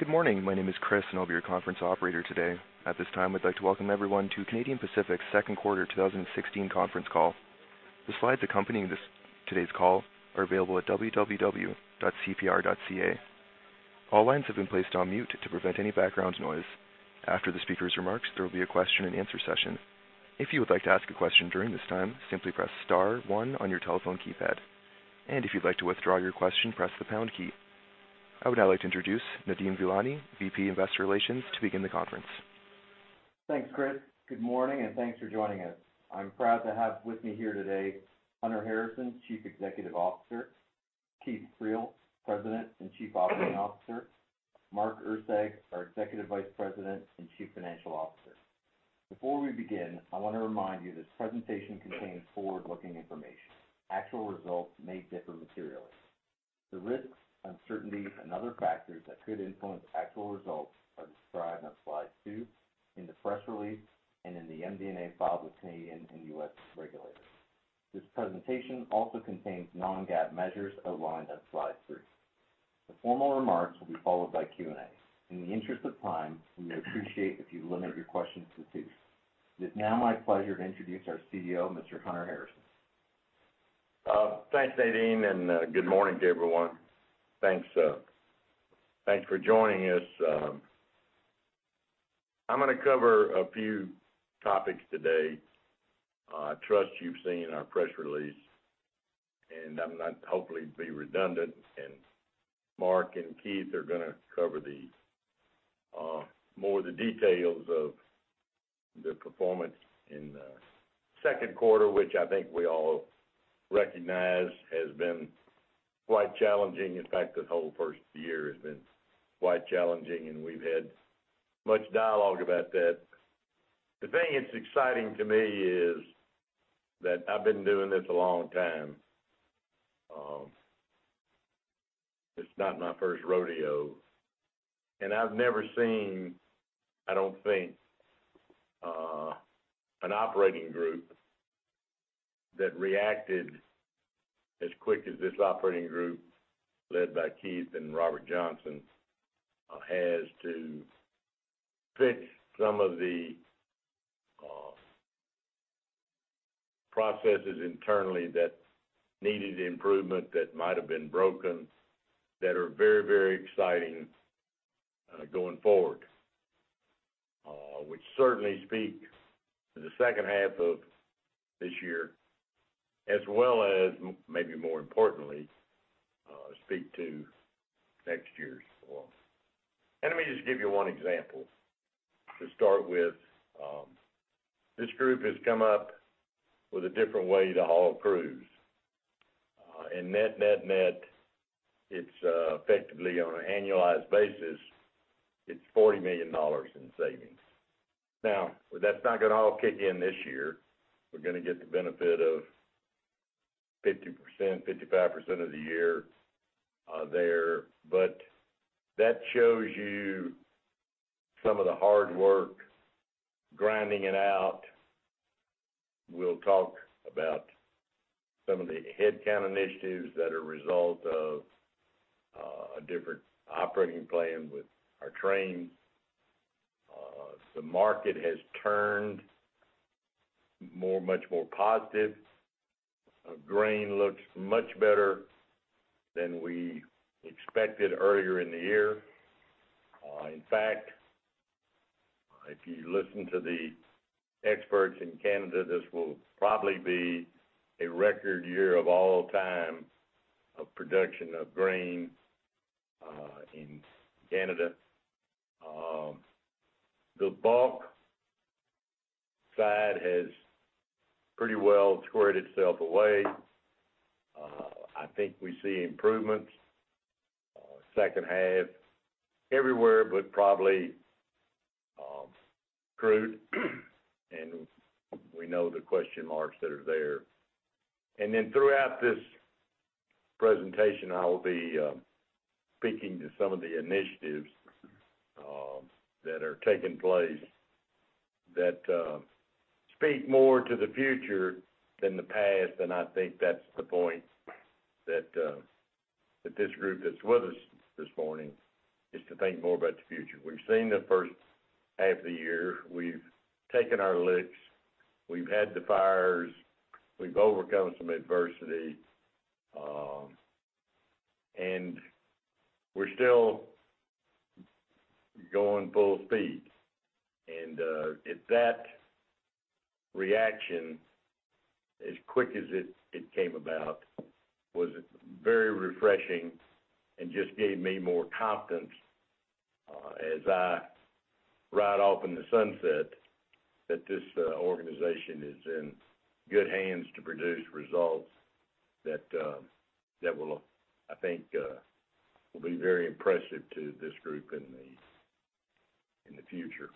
Good morning. My name is Chris, and I'll be your conference operator today. At this time, I'd like to welcome everyone to Canadian Pacific's second quarter 2016 conference call. The slides accompanying today's call are available at www.cpr.ca. All lines have been placed on mute to prevent any background noise. After the speaker's remarks, there will be a question-and-answer session. If you would like to ask a question during this time, simply press star one on your telephone keypad. And if you'd like to withdraw your question, press the pound key. I would now like to introduce Nadeem Velani, VP Investor Relations, to begin the conference. Thanks, Chris. Good morning, and thanks for joining us. I'm proud to have with me here today Hunter Harrison, Chief Executive Officer. Keith Creel, President and Chief Operating Officer. Mark Erceg, our Executive Vice President and Chief Financial Officer. Before we begin, I want to remind you this presentation contains forward-looking information. Actual results may differ materially. The risks, uncertainty, and other factors that could influence actual results are described on slide two in the press release and in the MD&A filed with Canadian and U.S. regulators. This presentation also contains non-GAAP measures outlined on slide three. The formal remarks will be followed by Q&A. In the interest of time, we would appreciate if you'd limit your questions to two. It is now my pleasure to introduce our CEO, Mr. Hunter Harrison. Thanks, Nadeem, and good morning, everyone. Thanks for joining us. I'm going to cover a few topics today. I trust you've seen our press release, and I'm not hopefully to be redundant. Mark and Keith are going to cover more of the details of the performance in the second quarter, which I think we all recognize has been quite challenging. In fact, the whole first year has been quite challenging, and we've had much dialogue about that. The thing that's exciting to me is that I've been doing this a long time. It's not my first rodeo. And I've never seen, I don't think, an operating group that reacted as quick as this operating group led by Keith and Robert Johnson has to fix some of the processes internally that needed improvement that might have been broken, that are very, very exciting going forward, which certainly speak to the second half of this year, as well as, maybe more importantly, speak to next year's form. And let me just give you one example to start with. This group has come up with a different way to haul crudes. And net, net, net, effectively, on an annualized basis, it's $40 million in savings. Now, that's not going to all kick in this year. We're going to get the benefit of 50%-55% of the year there. But that shows you some of the hard work grinding it out. We'll talk about some of the headcount initiatives that are a result of a different operating plan with our trains. The market has turned much more positive. Grain looks much better than we expected earlier in the year. In fact, if you listen to the experts in Canada, this will probably be a record year of all time of production of grain in Canada. The bulk side has pretty well squared itself away. I think we see improvements second half everywhere, but probably crude. And we know the question marks that are there. And then throughout this presentation, I will be speaking to some of the initiatives that are taking place that speak more to the future than the past. And I think that's the point that this group that's with us this morning is to think more about the future. We've seen the first half of the year. We've taken our licks. We've had the fires. We've overcome some adversity. We're still going full speed. That reaction, as quick as it came about, was very refreshing and just gave me more confidence as I ride off in the sunset that this organization is in good hands to produce results that will, I think, be very impressive to this group in the future.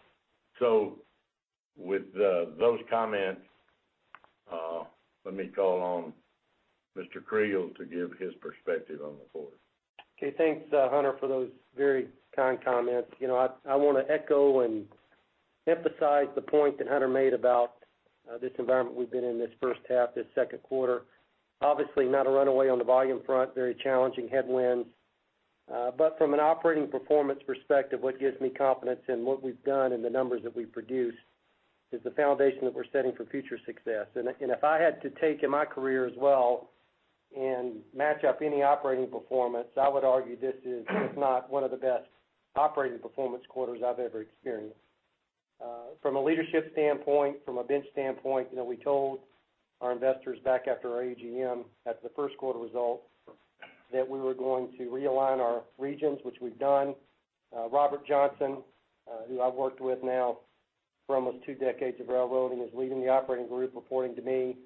So with those comments, let me call on Mr. Creel to give his perspective on the quarter. Okay. Thanks, Hunter, for those very kind comments. I want to echo and emphasize the point that Hunter made about this environment we've been in this first half, this second quarter. Obviously, not a runaway on the volume front, very challenging, headwinds. But from an operating performance perspective, what gives me confidence in what we've done and the numbers that we've produced is the foundation that we're setting for future success. And if I had to take in my career as well and match up any operating performance, I would argue this is, if not, one of the best operating performance quarters I've ever experienced. From a leadership standpoint, from a bench standpoint, we told our investors back after our AGM, after the first quarter result, that we were going to realign our regions, which we've done. Robert Johnson, who I've worked with now for almost two decades of railroading, is leading the operating group, reporting to me,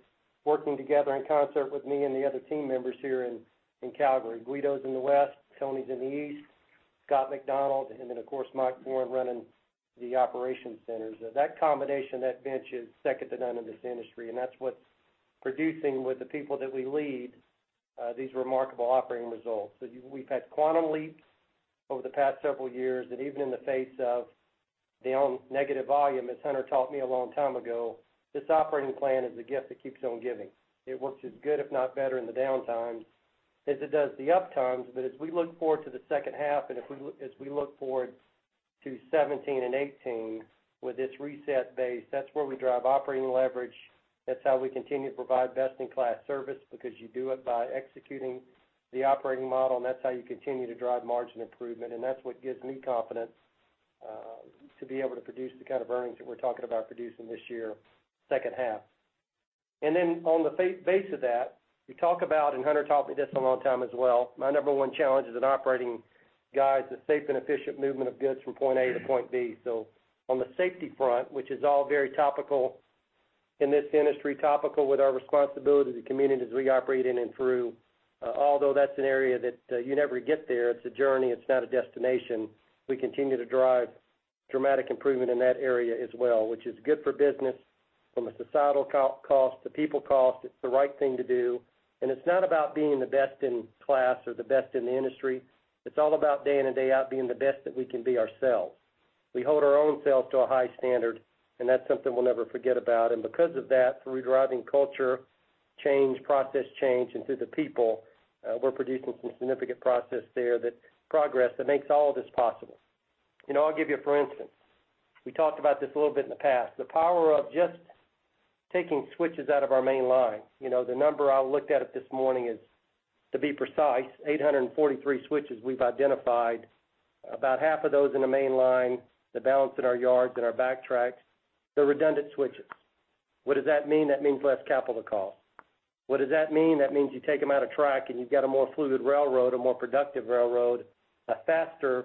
working together in concert with me and the other team members here in Calgary. Guido's in the west, Tony's in the east, Scott MacDonald, and then, of course, Mike Foran running the operations centers. That combination, that bench is second to none in this industry. And that's what's producing, with the people that we lead, these remarkable operating results. So we've had quantum leaps over the past several years. And even in the face of our own negative volume, as Hunter taught me a long time ago, this operating plan is a gift that keeps on giving. It works as good, if not better, in the downtimes as it does the uptimes. But as we look forward to the second half, and as we look forward to 2017 and 2018 with this reset base, that's where we drive operating leverage. That's how we continue to provide best-in-class service because you do it by executing the operating model. And that's how you continue to drive margin improvement. And that's what gives me confidence to be able to produce the kind of earnings that we're talking about producing this year, second half. And then on the base of that, you talk about and Hunter taught me this a long time as well. My number one challenge as an operating guy is the safe and efficient movement of goods from point A to point B. So on the safety front, which is all very topical in this industry, topical with our responsibility to the community as we operate in and through, although that's an area that you never get there, it's a journey. It's not a destination. We continue to drive dramatic improvement in that area as well, which is good for business from a societal cost to people cost. It's the right thing to do. And it's not about being the best in class or the best in the industry. It's all about day in and day out being the best that we can be ourselves. We hold our own selves to a high standard, and that's something we'll never forget about. And because of that, through driving culture change, process change, and through the people, we're producing some significant progress that makes all of this possible. I'll give you, for instance, we talked about this a little bit in the past, the power of just taking switches out of our main line. The number I looked at this morning, to be precise, is 843 switches we've identified. About half of those in the main line, the balance in our yards, in our backtracks, they're redundant switches. What does that mean? That means less capital to cost. What does that mean? That means you take them out of track, and you've got a more fluid railroad, a more productive railroad, a faster railroad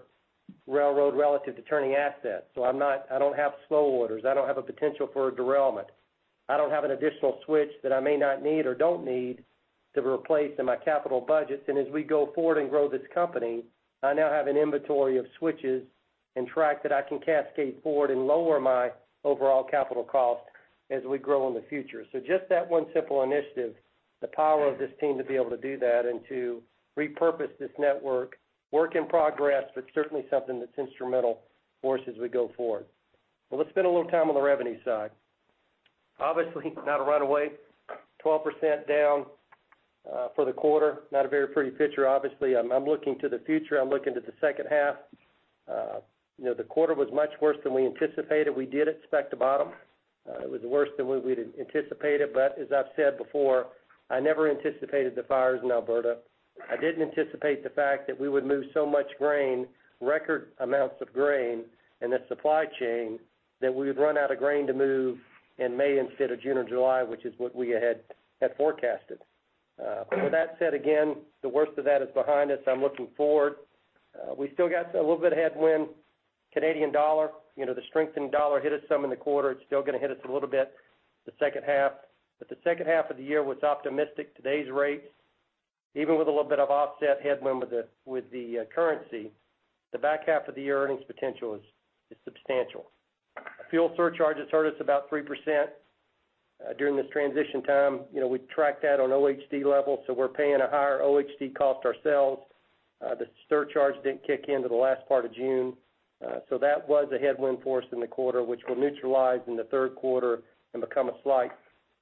relative to turning assets. So I don't have slow orders. I don't have a potential for derailment. I don't have an additional switch that I may not need or don't need to replace in my capital budgets. And as we go forward and grow this company, I now have an inventory of switches and track that I can cascade forward and lower my overall capital cost as we grow in the future. So just that one simple initiative, the power of this team to be able to do that and to repurpose this network, work in progress, but certainly something that's instrumental for us as we go forward. Well, let's spend a little time on the revenue side. Obviously, not a runaway. 12% down for the quarter. Not a very pretty picture, obviously. I'm looking to the future. I'm looking to the second half. The quarter was much worse than we anticipated. We did expect a bottom. It was worse than we'd anticipated. But as I've said before, I never anticipated the fires in Alberta. I didn't anticipate the fact that we would move so much grain, record amounts of grain, in the supply chain that we would run out of grain to move in May instead of June or July, which is what we had forecasted. With that said, again, the worst of that is behind us. I'm looking forward. We still got a little bit of headwind. Canadian dollar, the strengthening dollar, hit us some in the quarter. It's still going to hit us a little bit the second half. But the second half of the year, what's optimistic, today's rates, even with a little bit of offset, headwind with the currency, the back half of the year earnings potential is substantial. Fuel surcharges hurt us about 3% during this transition time. We tracked that on OR level. So we're paying a higher OR cost ourselves. The surcharge didn't kick into the last part of June. So that was a headwind for us in the quarter, which will neutralize in the third quarter and become a slight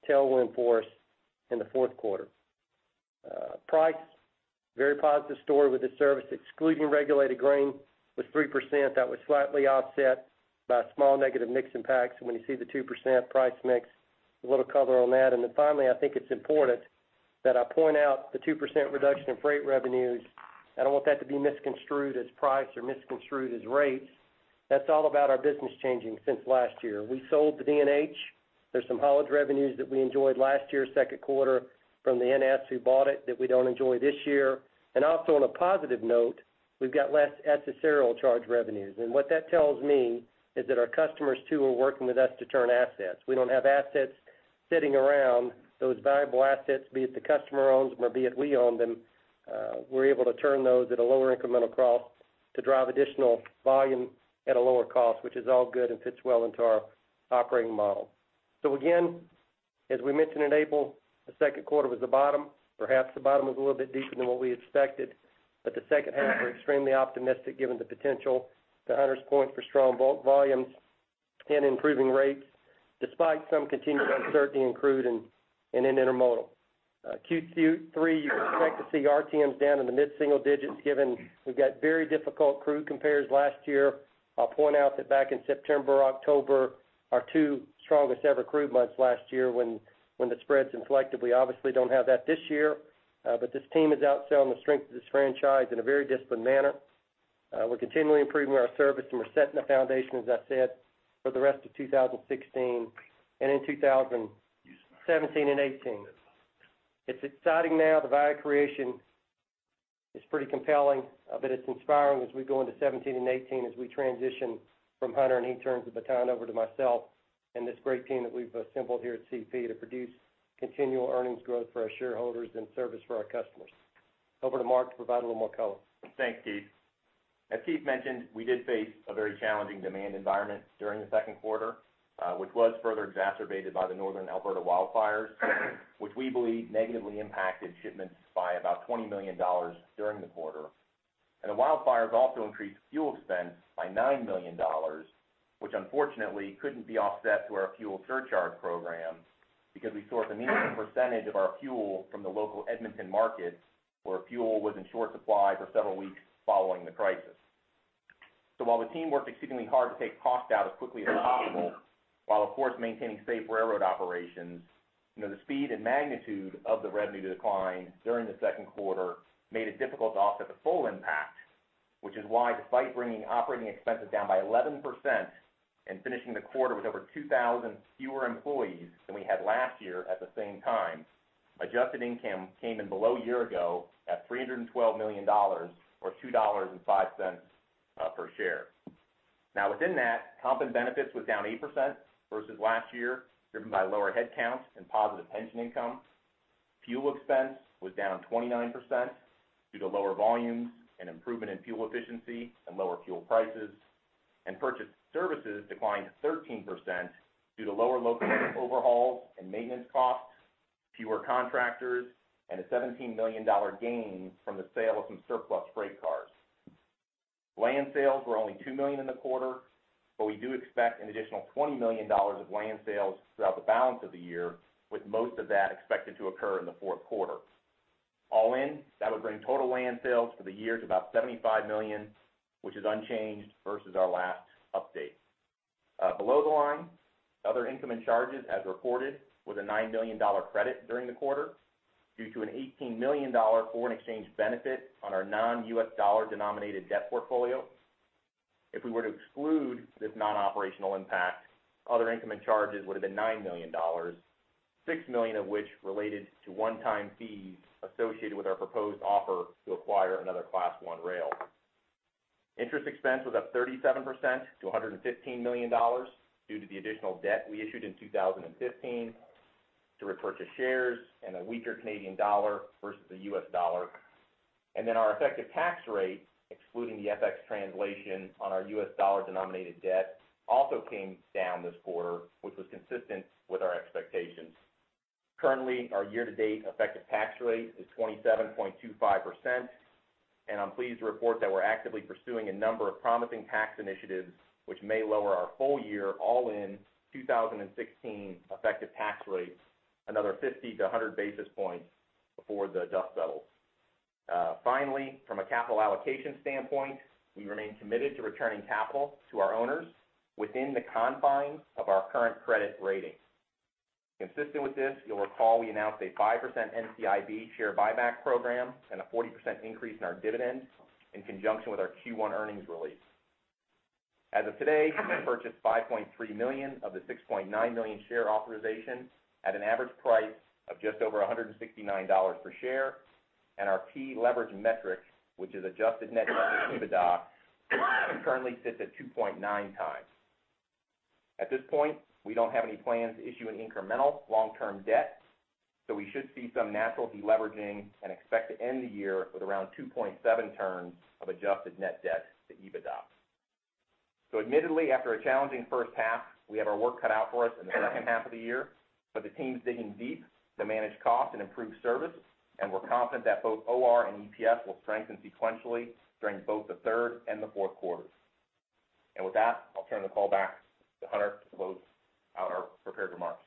tailwind for us in the fourth quarter. Price, very positive story with this service, excluding regulated grain, was 3%. That was slightly offset by a small negative mix impact. So when you see the 2% price mix, a little color on that. And then finally, I think it's important that I point out the 2% reduction in freight revenues. I don't want that to be misconstrued as price or misconstrued as rates. That's all about our business changing since last year. We sold the D&H. There's some haulage revenues that we enjoyed last year, second quarter, from the NS who bought it that we don't enjoy this year. Also on a positive note, we've got less accessorial charge revenues. And what that tells me is that our customers, too, are working with us to turn assets. We don't have assets sitting around. Those valuable assets, be it the customer owns them or be it we own them, we're able to turn those at a lower incremental cost to drive additional volume at a lower cost, which is all good and fits well into our operating model. So again, as we mentioned in April, the second quarter was the bottom. Perhaps the bottom was a little bit deeper than what we expected. But the second half, we're extremely optimistic given the potential, to Hunter's point, for strong bulk volumes and improving rates despite some continued uncertainty in crude and in intermodal. Q3, you expect to see RTMs down in the mid-single digits given we've got very difficult crude compares last year. I'll point out that back in September, October, our two strongest-ever crude months last year, when the spreads inflected. We obviously don't have that this year. But this team is outselling the strength of this franchise in a very disciplined manner. We're continually improving our service, and we're setting the foundation, as I said, for the rest of 2016 and in 2017 and 2018. It's exciting now. The value creation is pretty compelling. But it's inspiring as we go into 2017 and 2018, as we transition from Hunter, and he turns the baton over to myself and this great team that we've assembled here at CP to produce continual earnings growth for our shareholders and service for our customers. Over to Mark to provide a little more color. Thanks, Keith. As Keith mentioned, we did face a very challenging demand environment during the second quarter, which was further exacerbated by the northern Alberta wildfires, which we believe negatively impacted shipments by about $20 million during the quarter. The wildfires also increased fuel expense by $9 million, which unfortunately couldn't be offset through our fuel surcharge program because we sourced a meaningful percentage of our fuel from the local Edmonton market where fuel was in short supply for several weeks following the crisis. So while the team worked exceedingly hard to take cost out as quickly as possible, while, of course, maintaining safe railroad operations, the speed and magnitude of the revenue decline during the second quarter made it difficult to offset the full impact, which is why, despite bringing operating expenses down by 11% and finishing the quarter with over 2,000 fewer employees than we had last year at the same time, adjusted income came in below a year ago at $312 million or $2.05 per share. Now, within that, comp and benefits was down 8% versus last year driven by lower headcount and positive pension income. Fuel expense was down 29% due to lower volumes and improvement in fuel efficiency and lower fuel prices. Purchased services declined 13% due to lower locomotive overhauls and maintenance costs, fewer contractors, and a $17 million gain from the sale of some surplus freight cars. Land sales were only $2 million in the quarter, but we do expect an additional $20 million of land sales throughout the balance of the year, with most of that expected to occur in the fourth quarter. All in, that would bring total land sales for the year to about $75 million, which is unchanged versus our last update. Below the line, other income and charges, as reported, was a $9 million credit during the quarter due to an $18 million foreign exchange benefit on our non-US dollar denominated debt portfolio. If we were to exclude this non-operational impact, other income and charges would have been 9 million dollars, 6 million of which related to one-time fees associated with our proposed offer to acquire another Class I rail. Interest expense was up 37% to 115 million dollars due to the additional debt we issued in 2015 to repurchase shares and a weaker Canadian dollar versus the US dollar. Our effective tax rate, excluding the FX translation on our US dollar denominated debt, also came down this quarter, which was consistent with our expectations. Currently, our year-to-date effective tax rate is 27.25%. I'm pleased to report that we're actively pursuing a number of promising tax initiatives, which may lower our full-year, all-in 2016 effective tax rate, another 50-100 basis points before the dust settles. Finally, from a capital allocation standpoint, we remain committed to returning capital to our owners within the confines of our current credit rating. Consistent with this, you'll recall we announced a 5% NCIB share buyback program and a 40% increase in our dividend in conjunction with our Q1 earnings release. As of today, we purchased 5.3 million of the 6.9 million share authorization at an average price of just over $169 per share. Our key leverage metric, which is adjusted net EBITDA, currently sits at 2.9 times. At this point, we don't have any plans to issue an incremental long-term debt. We should see some natural deleveraging and expect to end the year with around 2.7 turns of adjusted net debt to EBITDA. Admittedly, after a challenging first half, we have our work cut out for us in the second half of the year. But the team's digging deep to manage cost and improve service. And we're confident that both OR and EPS will strengthen sequentially during both the third and the fourth quarters. And with that, I'll turn the call back to Hunter to close out our prepared remarks.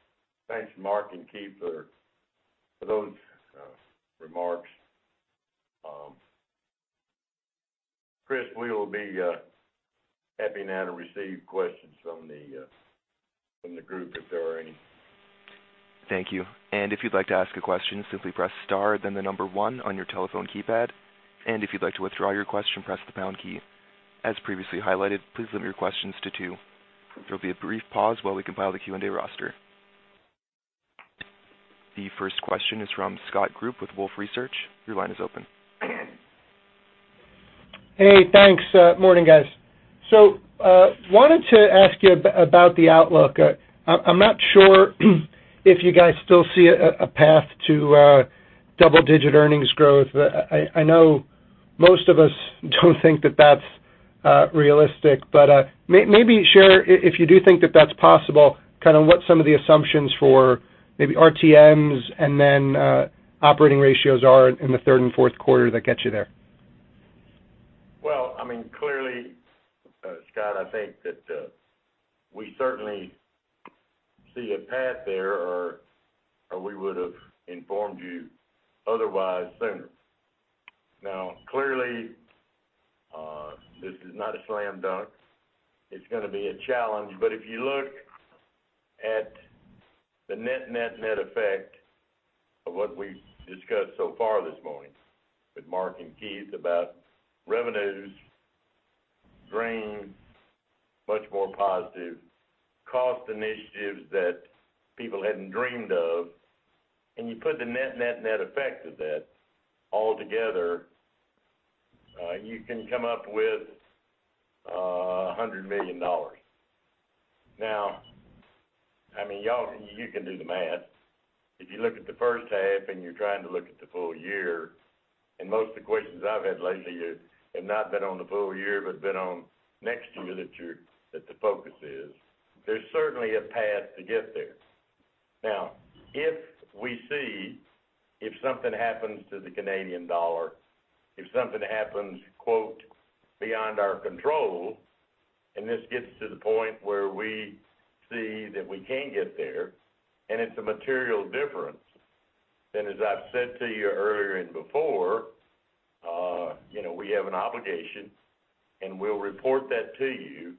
Thanks, Mark and Keith, for those remarks. Chris, we will be happy now to receive questions from the group if there are any. Thank you. And if you'd like to ask a question, simply press star, then the number one on your telephone keypad. And if you'd like to withdraw your question, press the pound key. As previously highlighted, please limit your questions to two. There'll be a brief pause while we compile the Q&A roster. The first question is from Scott Group with Wolfe Research. Your line is open. Hey. Thanks. Morning, guys. So wanted to ask you about the outlook. I'm not sure if you guys still see a path to double-digit earnings growth. I know most of us don't think that that's realistic. But maybe share, if you do think that that's possible, kind of what some of the assumptions for maybe RTMs and then operating ratios are in the third and fourth quarter that get you there. Well, I mean, clearly, Scott, I think that we certainly see a path there or we would have informed you otherwise sooner. Now, clearly, this is not a slam dunk. It's going to be a challenge. But if you look at the net, net, net effect of what we discussed so far this morning with Mark and Keith about revenues, grain, much more positive, cost initiatives that people hadn't dreamed of, and you put the net, net, net effect of that all together, you can come up with $100 million. Now, I mean, you can do the math. If you look at the first half and you're trying to look at the full year and most of the questions I've had lately have not been on the full year but been on next year that the focus is, there's certainly a path to get there. Now, if something happens to the Canadian dollar, if something happens "beyond our control," and this gets to the point where we see that we can get there and it's a material difference, then as I've said to you earlier and before, we have an obligation. And we'll report that to you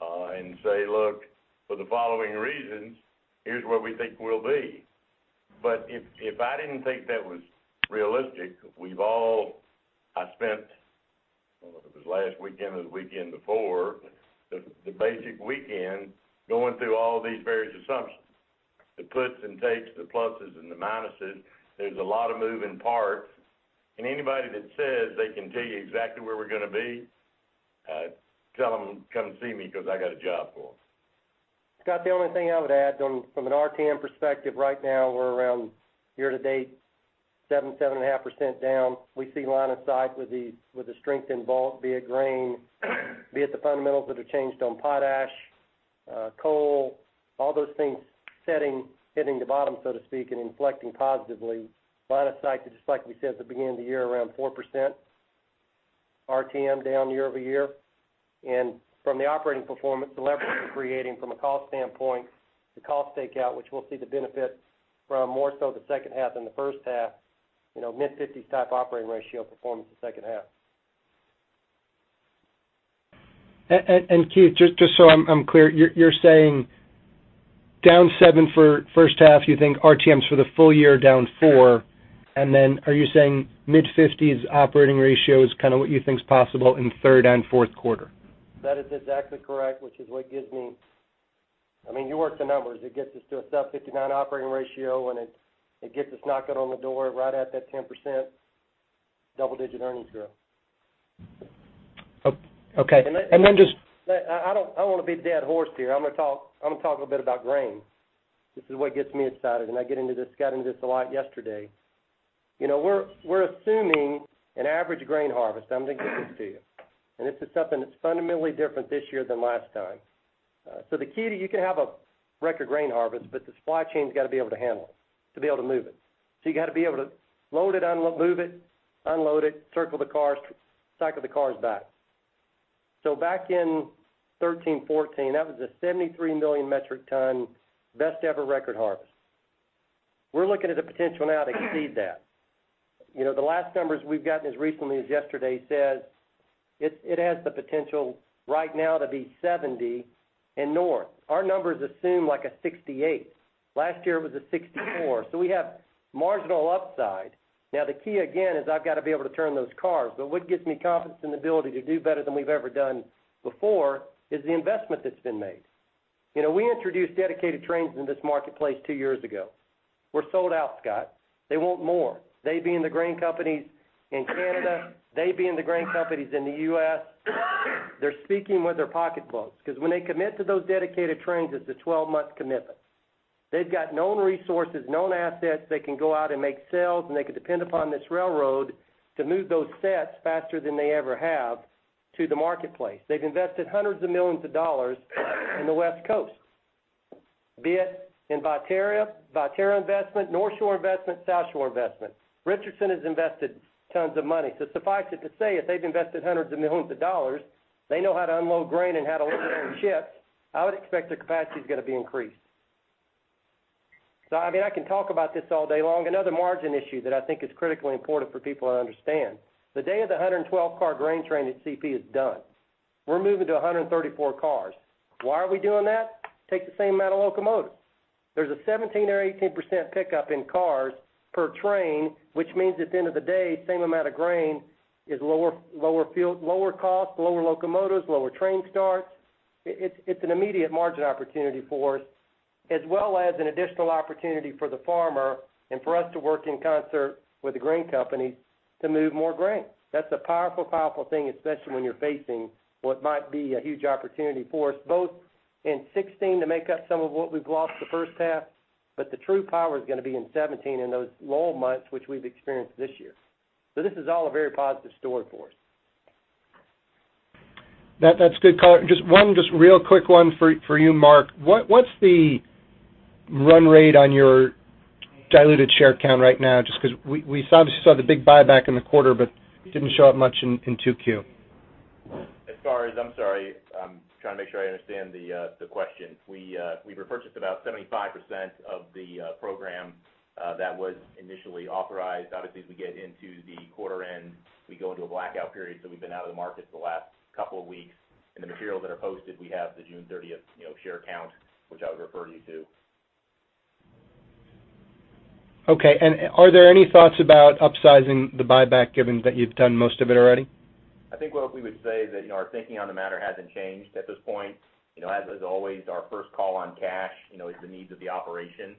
and say, "Look, for the following reasons, here's where we think we'll be." But if I didn't think that was realistic, I spent - I don't know if it was last weekend or the weekend before - the past weekend going through all these various assumptions, the puts and takes, the pluses and the minuses. There's a lot of moving parts. And anybody that says they can tell you exactly where we're going to be, tell them, "Come see me because I got a job for them. Scott, the only thing I would add, from an RTM perspective, right now, we're around, year-to-date, 7%-7.5% down. We see line of sight with the strengthened bulk, be it grain, be it the fundamentals that have changed on potash, coal, all those things hitting the bottom, so to speak, and inflecting positively. Line of sight to, just like we said at the beginning of the year, around 4% RTM down year-over-year. And from the operating performance leverage we're creating from a cost standpoint, the cost takeout, which we'll see the benefit from more so the second half than the first half, mid-50s type operating ratio performance the second half. Keith, just so I'm clear, you're saying down seven for first half, you think RTMs for the full year down four? And then are you saying mid-50s operating ratio is kind of what you think's possible in third and fourth quarter? That is exactly correct, which is what gives me, I mean, you worked the numbers. It gets us to a sub-59 operating ratio. And it gets us knocking on the door right at that 10% double-digit earnings growth. Okay. And then just. I don't want to beat a dead horse here. I'm going to talk a little bit about grain. This is what gets me excited. I got into this a lot yesterday. We're assuming an average grain harvest. I'm going to give this to you. This is something that's fundamentally different this year than last time. So the key to you can have a record grain harvest, but the supply chain's got to be able to handle it, to be able to move it. So you got to be able to load it, move it, unload it, cycle the cars back. So back in 2013, 2014, that was a 73 million metric ton best-ever record harvest. We're looking at the potential now to exceed that. The last numbers we've gotten as recently as yesterday say it has the potential right now to be 70 and north. Our numbers assume a 68. Last year, it was a 64. So we have marginal upside. Now, the key, again, is I've got to be able to turn those cars. But what gives me confidence in the ability to do better than we've ever done before is the investment that's been made. We introduced dedicated trains in this marketplace two years ago. We're sold out, Scott. They want more. They being the grain companies in Canada, they being the grain companies in the U.S., they're speaking with their pocketbooks. Because when they commit to those dedicated trains, it's a 12-month commitment. They've got known resources, known assets. They can go out and make sales. And they could depend upon this railroad to move those sets faster than they ever have to the marketplace. They've invested hundreds of millions of dollars in the West Coast, be it in Viterra investment, North Shore investment, South Shore investment. Richardson has invested tons of money. So suffice it to say, if they've invested hundreds of millions of dollars, they know how to unload grain and how to load their own ships, I would expect their capacity's going to be increased. So I mean, I can talk about this all day long. Another margin issue that I think is critically important for people to understand, the day of the 112-car grain train at CP is done. We're moving to 134 cars. Why are we doing that? Take the same amount of locomotives. There's a 17%-18% pickup in cars per train, which means at the end of the day, same amount of grain is lower cost, lower locomotives, lower train starts. It's an immediate margin opportunity for us as well as an additional opportunity for the farmer and for us to work in concert with the grain companies to move more grain. That's a powerful, powerful thing, especially when you're facing what might be a huge opportunity for us, both in 2016 to make up some of what we've lost the first half, but the true power is going to be in 2017 in those lull months, which we've experienced this year. So this is all a very positive story for us. That's good color. Just one real quick one for you, Mark. What's the run rate on your diluted share count right now? Just because we obviously saw the big buyback in the quarter but didn't show up much in 2Q. As far as I'm sorry. I'm trying to make sure I understand the question. We've repurchased about 75% of the program that was initially authorized. Obviously, as we get into the quarter-end, we go into a blackout period. So we've been out of the market for the last couple of weeks. In the materials that are posted, we have the June 30th share count, which I would refer you to. Okay. Are there any thoughts about upsizing the buyback given that you've done most of it already? I think what we would say is that our thinking on the matter hasn't changed at this point. As always, our first call on cash is the needs of the operation,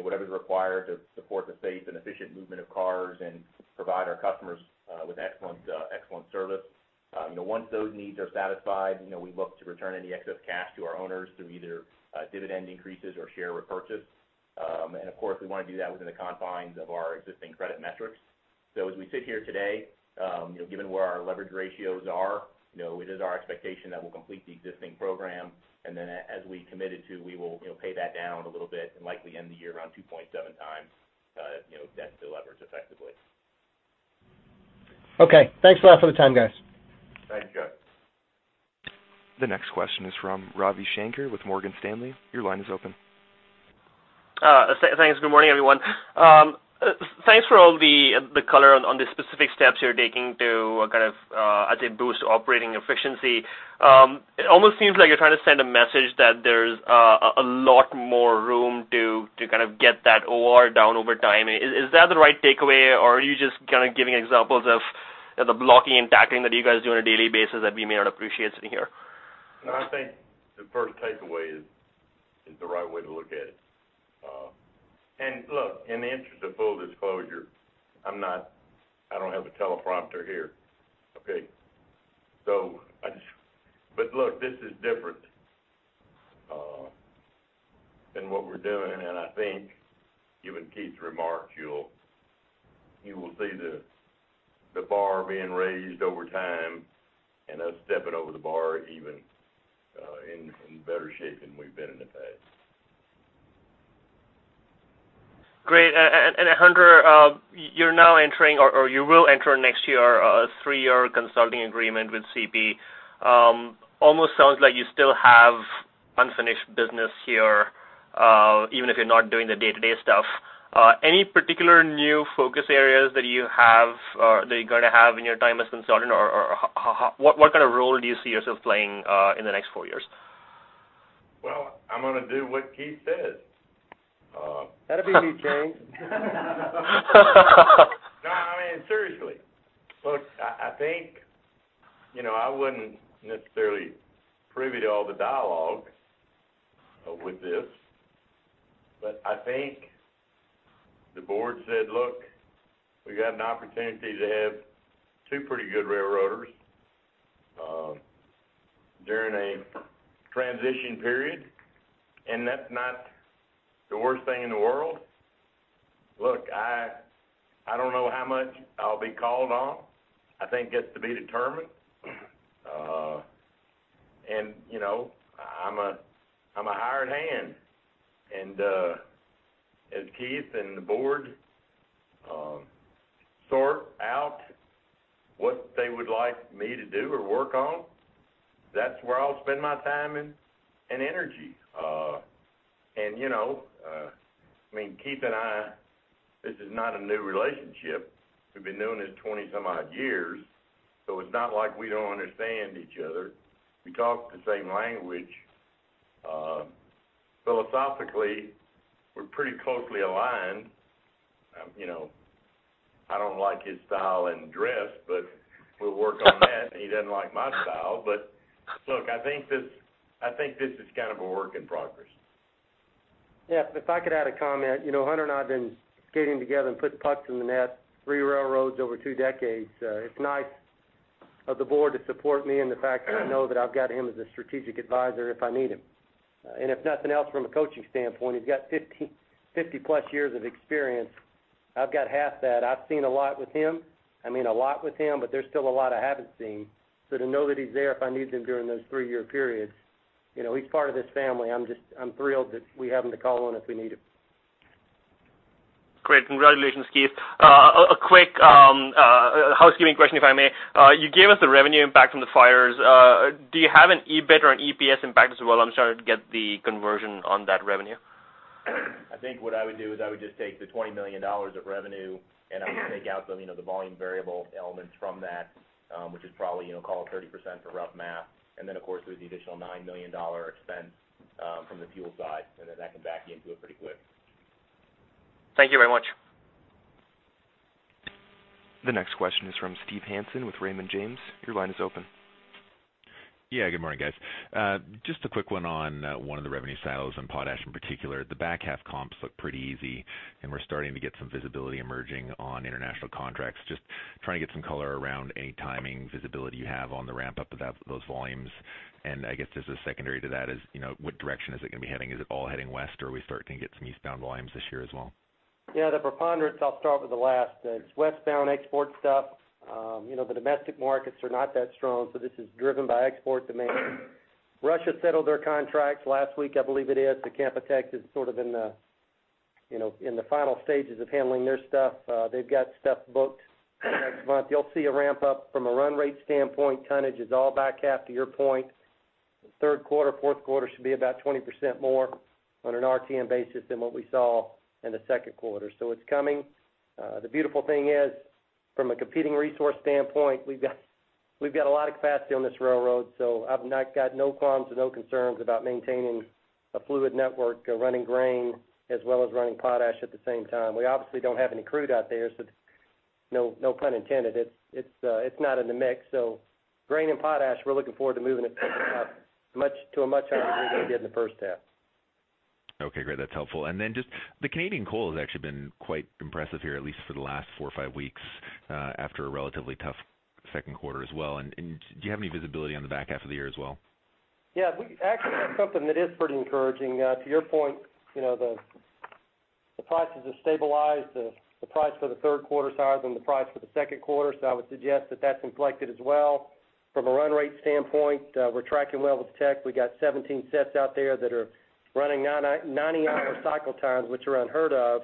whatever's required to support the safe and efficient movement of cars and provide our customers with excellent service. Once those needs are satisfied, we look to return any excess cash to our owners through either dividend increases or share repurchase. And of course, we want to do that within the confines of our existing credit metrics. So as we sit here today, given where our leverage ratios are, it is our expectation that we'll complete the existing program. And then as we committed to, we will pay that down a little bit and likely end the year around 2.7 times debt to leverage effectively. Okay. Thanks a lot for the time, guys. Thank you, Joe. The next question is from Ravi Shanker with Morgan Stanley. Your line is open. Thanks. Good morning, everyone. Thanks for all the color on the specific steps you're taking to kind of, I'd say, boost operating efficiency. It almost seems like you're trying to send a message that there's a lot more room to kind of get that OR down over time. Is that the right takeaway, or are you just kind of giving examples of the blocking and tackling that you guys do on a daily basis that we may not appreciate sitting here? No, I think the first takeaway is the right way to look at it. And look, in the interest of full disclosure, I don't have a teleprompter here, okay? But look, this is different than what we're doing. And I think, given Keith's remarks, you will see the bar being raised over time and us stepping over the bar even in better shape than we've been in the past. Great. Hunter, you're now entering or you will enter next year a three-year consulting agreement with CP. Almost sounds like you still have unfinished business here even if you're not doing the day-to-day stuff. Any particular new focus areas that you have or that you're going to have in your time as a consultant, or what kind of role do you see yourself playing in the next four years? Well, I'm going to do what Keith says. That'll be a new change. No, I mean, seriously. Look, I think I wouldn't necessarily be privy to all the dialogue with this. But I think the board said, "Look, we got an opportunity to have two pretty good railroaders during a transition period." And that's not the worst thing in the world. Look, I don't know how much I'll be called on. I think it's to be determined. And I'm a hired hand. And as Keith and the board sort out what they would like me to do or work on, that's where I'll spend my time and energy. And I mean, Keith and I, this is not a new relationship. We've been doing this 20-some-odd years. So it's not like we don't understand each other. We talk the same language. Philosophically, we're pretty closely aligned. I don't like his style and dress, but we'll work on that. He doesn't like my style. But look, I think this is kind of a work in progress. Yeah. If I could add a comment, Hunter and I have been skating together and putting pucks in the net three railroads over two decades. It's nice of the board to support me and the fact that I know that I've got him as a strategic advisor if I need him. And if nothing else, from a coaching standpoint, he's got 50-plus years of experience. I've got half that. I've seen a lot with him. I mean, a lot with him, but there's still a lot I haven't seen. So to know that he's there if I need him during those three-year periods, he's part of this family. I'm thrilled that we have him to call on if we need him. Great. Congratulations, Keith. A quick housekeeping question, if I may. You gave us the revenue impact from the fires. Do you have an EBIT or an EPS impact as well? I'm trying to get the conversion on that revenue. I think what I would do is I would just take the $20 million of revenue, and I would take out the volume variable elements from that, which is probably call it 30% for rough math. And then, of course, there's the additional $9 million expense from the fuel side. And then that can back you into it pretty quick. Thank you very much. The next question is from Steve Hansen with Raymond James. Your line is open. Yeah. Good morning, guys. Just a quick one on one of the revenue silos and potash in particular. The back half comps look pretty easy. And we're starting to get some visibility emerging on international contracts. Just trying to get some color around any timing visibility you have on the ramp-up of those volumes. And I guess just as secondary to that is, what direction is it going to be heading? Is it all heading west, or are we starting to get some eastbound volumes this year as well? Yeah. The preponderance, I'll start with the last. It's westbound export stuff. The domestic markets are not that strong. So this is driven by export demand. Russia settled their contracts last week, I believe it is. The Canpotex is sort of in the final stages of handling their stuff. They've got stuff booked next month. You'll see a ramp-up from a run rate standpoint. Tonnage is all back half, to your point. Third quarter, fourth quarter should be about 20% more on an RTM basis than what we saw in the second quarter. So it's coming. The beautiful thing is, from a competing resource standpoint, we've got a lot of capacity on this railroad. So I've got no qualms and no concerns about maintaining a fluid network, running grain, as well as running potash at the same time. We obviously don't have any crude out there, so no pun intended. It's not in the mix. So grain and potash, we're looking forward to moving it to a much higher degree than we did in the first half. Okay. Great. That's helpful. And then just the Canadian coal has actually been quite impressive here, at least for the last four or five weeks after a relatively tough second quarter as well. And do you have any visibility on the back half of the year as well? Yeah. We actually have something that is pretty encouraging. To your point, the prices have stabilized. The price for the third quarter is higher than the price for the second quarter. So I would suggest that that's inflected as well from a run rate standpoint. We're tracking well with Teck. We got 17 sets out there that are running 90-hour cycle times, which are unheard of.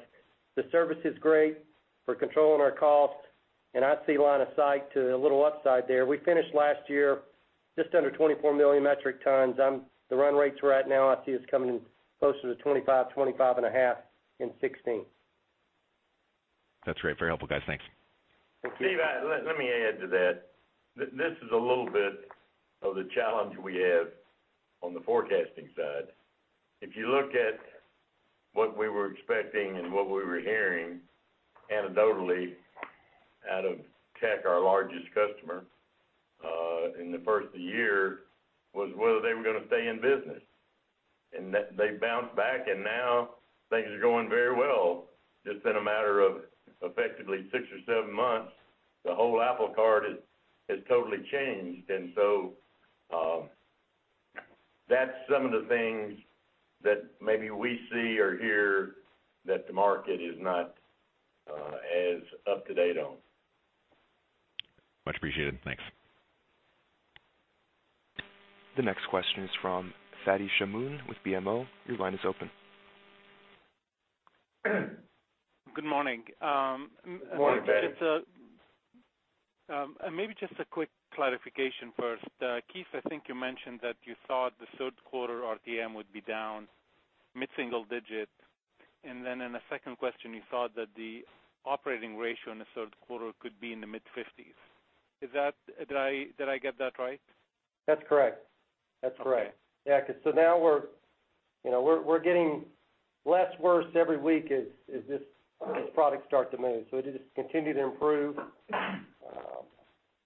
The service is great for controlling our costs. And I see line of sight to a little upside there. We finished last year just under 24 million metric tons. The run rates right now, I see it's coming closer to 25-25.5 in 2016. That's great. Very helpful, guys. Thanks. Thank you. Steve, let me add to that. This is a little bit of the challenge we have on the forecasting side. If you look at what we were expecting and what we were hearing anecdotally out of Teck, our largest customer, in the first of the year was whether they were going to stay in business. And they bounced back. And now things are going very well. Just in a matter of effectively six or seven months, the whole apple cart has totally changed. And so that's some of the things that maybe we see or hear that the market is not as up-to-date on. Much appreciated. Thanks. The next question is from Fadi Chamoun with BMO. Your line is open. Good morning. Morning, guys. Maybe just a quick clarification first. Keith, I think you mentioned that you thought the third quarter RTM would be down mid-single digit. Then in the second question, you thought that the operating ratio in the third quarter could be in the mid-50s. Did I get that right? That's correct. That's correct. Yeah. So now we're getting less worse every week as these products start to move. So it is continuing to improve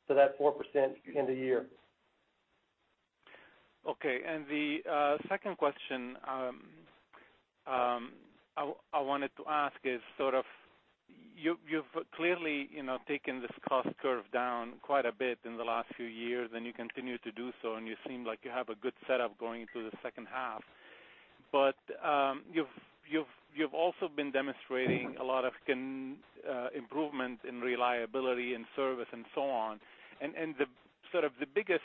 to that 4% end of year. Okay. The second question I wanted to ask is sort of you've clearly taken this cost curve down quite a bit in the last few years, and you continue to do so. You seem like you have a good setup going into the second half. You've also been demonstrating a lot of improvement in reliability and service and so on. Sort of the biggest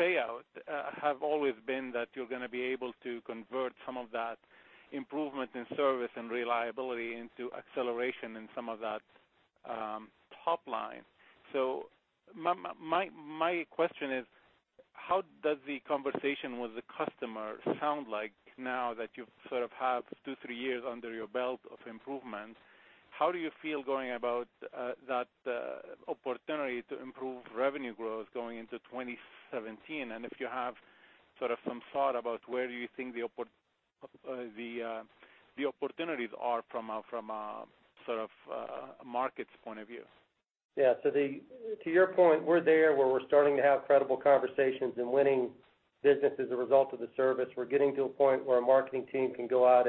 payout has always been that you're going to be able to convert some of that improvement in service and reliability into acceleration in some of that top line. My question is, how does the conversation with the customer sound like now that you sort of have two, three years under your belt of improvement? How do you feel going about that opportunity to improve revenue growth going into 2017? If you have sort of some thought about where do you think the opportunities are from a sort of market's point of view? Yeah. So to your point, we're there where we're starting to have credible conversations and winning business as a result of the service. We're getting to a point where a marketing team can go out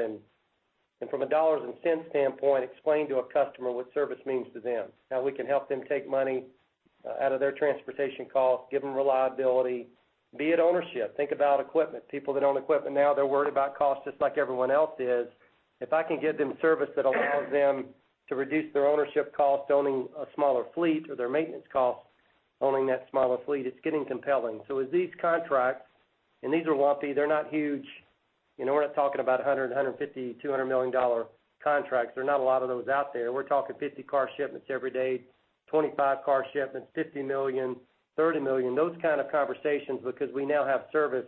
and, from a dollars and cents standpoint, explain to a customer what service means to them, how we can help them take money out of their transportation costs, give them reliability, be it ownership. Think about equipment. People that own equipment now, they're worried about costs just like everyone else is. If I can get them service that allows them to reduce their ownership costs, owning a smaller fleet, or their maintenance costs, owning that smaller fleet, it's getting compelling. So as these contracts and these are lumpy. They're not huge. We're not talking about $100 million, $150 million, $200 million contracts. There are not a lot of those out there. We're talking 50 car shipments every day, 25 car shipments, 50 million, 30 million, those kind of conversations because we now have service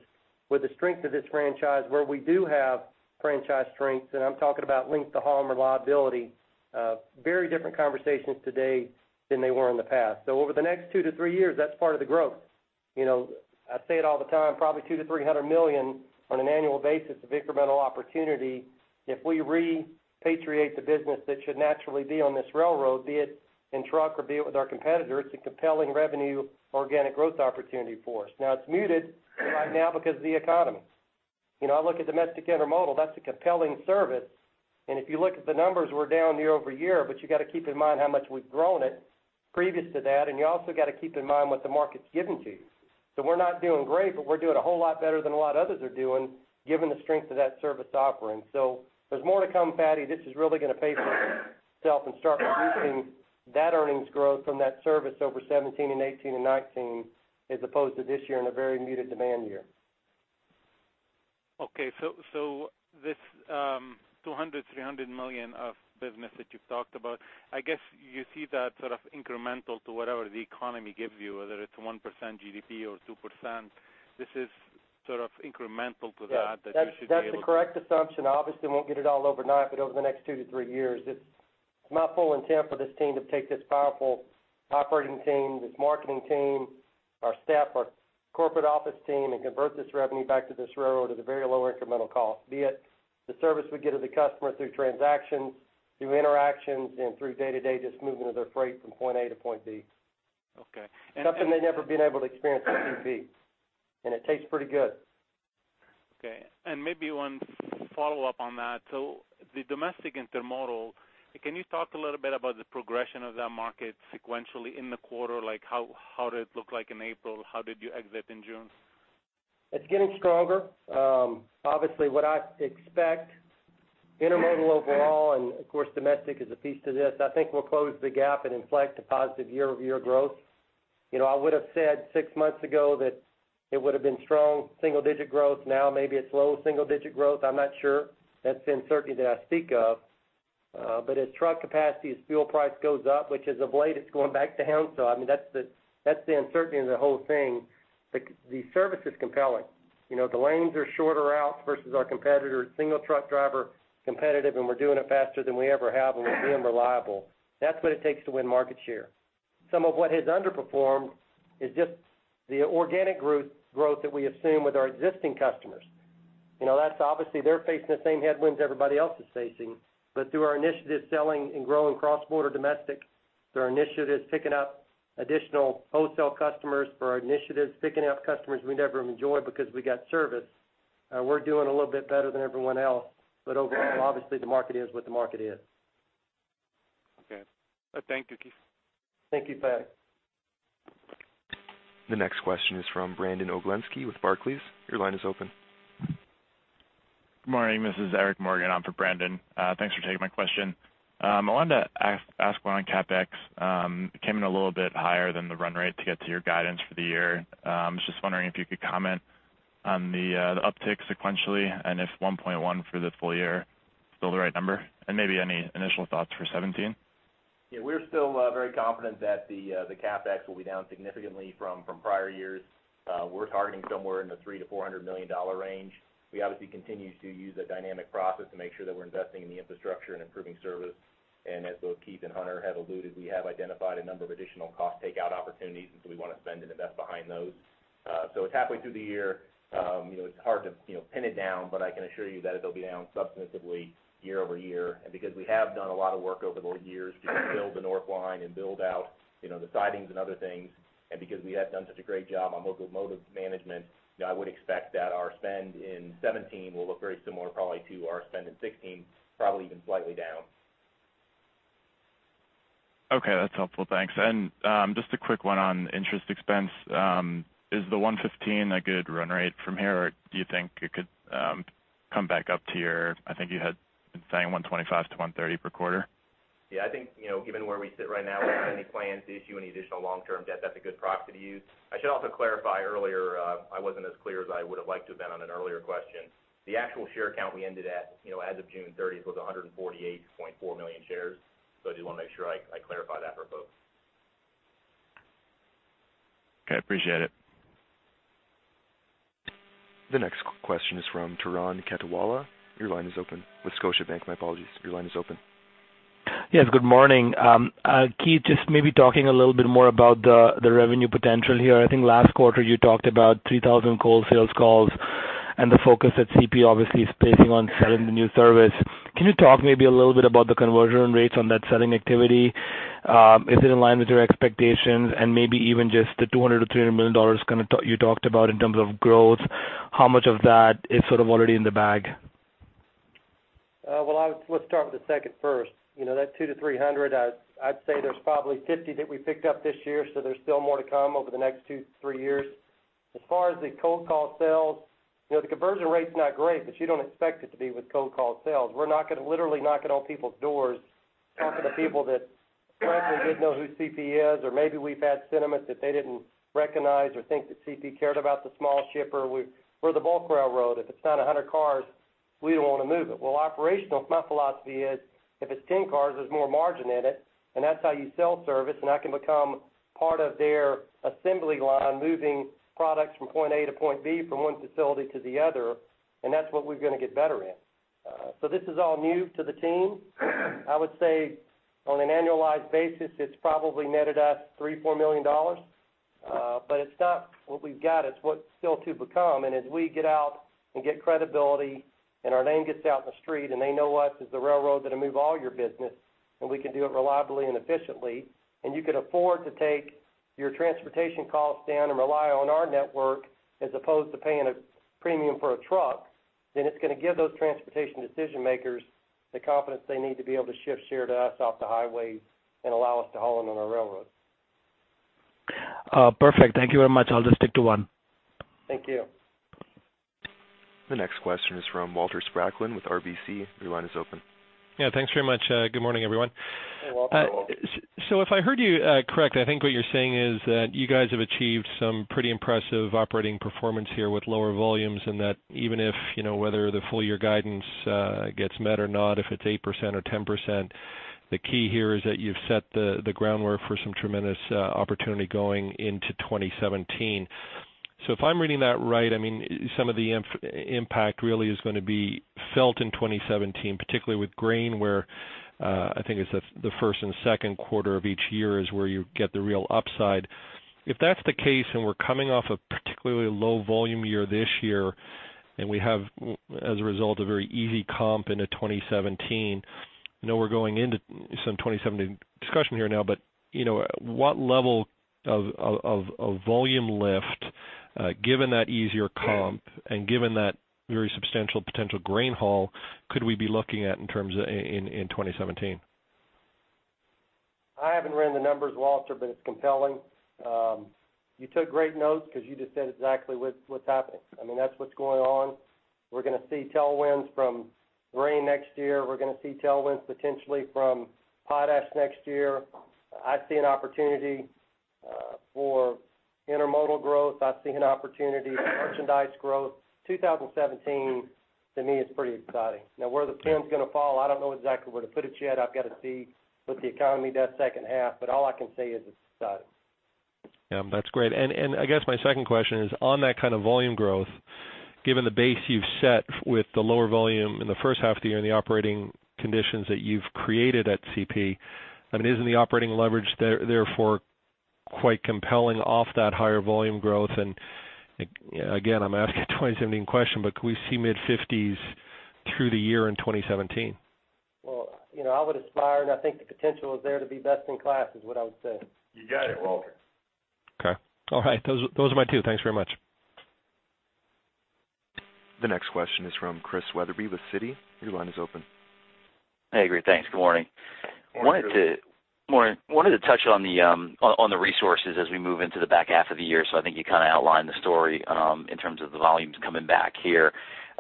with the strength of this franchise where we do have franchise strengths. And I'm talking about length to haul and reliability. Very different conversations today than they were in the past. So over the next 2-3 years, that's part of the growth. I say it all the time, probably 200 million-300 million on an annual basis, an incremental opportunity. If we repatriate the business that should naturally be on this railroad, be it in truck or be it with our competitor, it's a compelling revenue organic growth opportunity for us. Now, it's muted right now because of the economy. I look at domestic intermodal. That's a compelling service. And if you look at the numbers, we're down year-over-year. You got to keep in mind how much we've grown it previous to that. You also got to keep in mind what the market's giving to you. We're not doing great, but we're doing a whole lot better than a lot of others are doing given the strength of that service offering. There's more to come, Fadi. This is really going to pay for itself and start producing that earnings growth from that service over 2017 and 2018 and 2019 as opposed to this year in a very muted demand year. Okay. So this $200 million-$300 million of business that you've talked about, I guess you see that sort of incremental to whatever the economy gives you, whether it's 1% GDP or 2%. This is sort of incremental to that that you should be able to. That's the correct assumption. Obviously, it won't get it all overnight. But over the next 2-3 years, it's my full intent for this team to take this powerful operating team, this marketing team, our staff, our corporate office team, and convert this revenue back to this railroad at a very low incremental cost, be it the service we get to the customer through transactions, through interactions, and through day-to-day just moving of their freight from point A to point B. Okay. And. Something they've never been able to experience at CP. And it tastes pretty good. Okay. And maybe one follow-up on that. So the domestic intermodal, can you talk a little bit about the progression of that market sequentially in the quarter? How did it look like in April? How did you exit in June? It's getting stronger. Obviously, what I expect, intermodal overall and, of course, domestic is a piece to this. I think we'll close the gap and inflect a positive year-over-year growth. I would have said six months ago that it would have been strong single-digit growth. Now, maybe it's low single-digit growth. I'm not sure. That's the uncertainty that I speak of. But as truck capacity as fuel price goes up, which as of late, it's going back down. So I mean, that's the uncertainty in the whole thing. The service is compelling. The lanes are shorter out versus our competitor. Single truck driver competitive, and we're doing it faster than we ever have, and we're being reliable. That's what it takes to win market share. Some of what has underperformed is just the organic growth that we assume with our existing customers. That's obvious. They're facing the same headwinds everybody else is facing. But through our initiatives selling and growing cross-border domestic, through our initiatives picking up additional wholesale customers, through our initiatives picking up customers we never enjoyed because we got service, we're doing a little bit better than everyone else. But overall, obviously, the market is what the market is. Okay. Thank you, Keith. Thank you, Fadi. The next question is from Brandon Oglenski with Barclays. Your line is open. Good morning. This is Eric Morgan. I'm for Brandon. Thanks for taking my question. I wanted to ask one on CapEx. It came in a little bit higher than the run rate to get to your guidance for the year. I was just wondering if you could comment on the uptick sequentially and if $1.1 for the full year is still the right number and maybe any initial thoughts for 2017? Yeah. We're still very confident that the CapEx will be down significantly from prior years. We're targeting somewhere in the $300 million-$400 million range. We obviously continue to use a dynamic process to make sure that we're investing in the infrastructure and improving service. As both Keith and Hunter have alluded, we have identified a number of additional cost takeout opportunities. So we want to spend and invest behind those. It's halfway through the year. It's hard to pin it down. But I can assure you that it'll be down substantively year-over-year. Because we have done a lot of work over the years to build the North Line and build out the sidings and other things. Because we have done such a great job on locomotive management, I would expect that our spend in 2017 will look very similar probably to our spend in 2016, probably even slightly down. Okay. That's helpful. Thanks. And just a quick one on interest expense. Is the $115 a good run rate from here, or do you think it could come back up to your I think you had been saying $125-$130 per quarter? Yeah. I think given where we sit right now, we don't have any plans to issue any additional long-term debt. That's a good proxy to use. I should also clarify earlier. I wasn't as clear as I would have liked to have been on an earlier question. The actual share count we ended at as of June 30th was 148.4 million shares. So I just want to make sure I clarify that for folks. Okay. Appreciate it. The next question is from Turan Quettawala. Your line is open. With Scotiabank. My apologies. Your line is open. Yes. Good morning. Keith, just maybe talking a little bit more about the revenue potential here. I think last quarter, you talked about 3,000 coal sales calls and the focus that CP obviously is placing on selling the new service. Can you talk maybe a little bit about the conversion rates on that selling activity? Is it in line with your expectations? And maybe even just the $200 million-$300 million you talked about in terms of growth, how much of that is sort of already in the bag? Well, let's start with the second first. That 200-300, I'd say there's probably 50 that we picked up this year. So there's still more to come over the next 2-3 years. As far as the cold call sales, the conversion rate's not great. But you don't expect it to be with cold call sales. We're literally knocking on people's doors, talking to people that frankly didn't know who CP is. Or maybe we've had some instances that they didn't recognize or think that CP cared about the small shipper. We're the bulk railroad. If it's not 100 cars, we don't want to move it. Well, operationally, my philosophy is if it's 10 cars, there's more margin in it. And that's how you sell service. And I can become part of their assembly line moving products from point A to point B from one facility to the other. That's what we're going to get better in. This is all new to the team. I would say on an annualized basis, it's probably netted us $3-$4 million. It's not what we've got. It's what's still to become. As we get out and get credibility and our name gets out in the street and they know us as the railroad that'll move all your business and we can do it reliably and efficiently and you can afford to take your transportation costs down and rely on our network as opposed to paying a premium for a truck, then it's going to give those transportation decision-makers the confidence they need to be able to shift share to us off the highways and allow us to haul in on our railroad. Perfect. Thank you very much. I'll just stick to one. Thank you. The next question is from Walter Spracklin with RBC. Your line is open. Yeah. Thanks very much. Good morning, everyone. Hey, Walter. So if I heard you correct, I think what you're saying is that you guys have achieved some pretty impressive operating performance here with lower volumes and that even if whether the full-year guidance gets met or not, if it's 8% or 10%, the key here is that you've set the groundwork for some tremendous opportunity going into 2017. So if I'm reading that right, I mean, some of the impact really is going to be felt in 2017, particularly with grain where I think it's the first and second quarter of each year is where you get the real upside. If that's the case and we're coming off a particularly low-volume year this year and we have, as a result, a very easy comp into 2017, I know we're going into some 2017 discussion here now. But what level of volume lift, given that easier comp and given that very substantial potential grain haul, could we be looking at in terms of in 2017? I haven't read the numbers, Walter, but it's compelling. You took great notes because you just said exactly what's happening. I mean, that's what's going on. We're going to see tailwinds from grain next year. We're going to see tailwinds potentially from potash next year. I see an opportunity for intermodal growth. I see an opportunity for merchandise growth. 2017, to me, is pretty exciting. Now, where the pin's going to fall, I don't know exactly where to put it yet. I've got to see what the economy does second half. But all I can say is it's exciting. Yeah. That's great. And I guess my second question is, on that kind of volume growth, given the base you've set with the lower volume in the first half of the year and the operating conditions that you've created at CP, I mean, isn't the operating leverage, therefore, quite compelling off that higher volume growth? And again, I'm asking a 2017 question. But could we see mid-50s through the year in 2017? Well, I would aspire. I think the potential is there to be best in class is what I would say. You got it, Walter. Okay. All right. Those are my two. Thanks very much. The next question is from Chris Wetherbee with Citi. Your line is open. Hey, great. Thanks. Good morning. Wanted to touch on the resources as we move into the back half of the year. So I think you kind of outlined the story in terms of the volumes coming back here.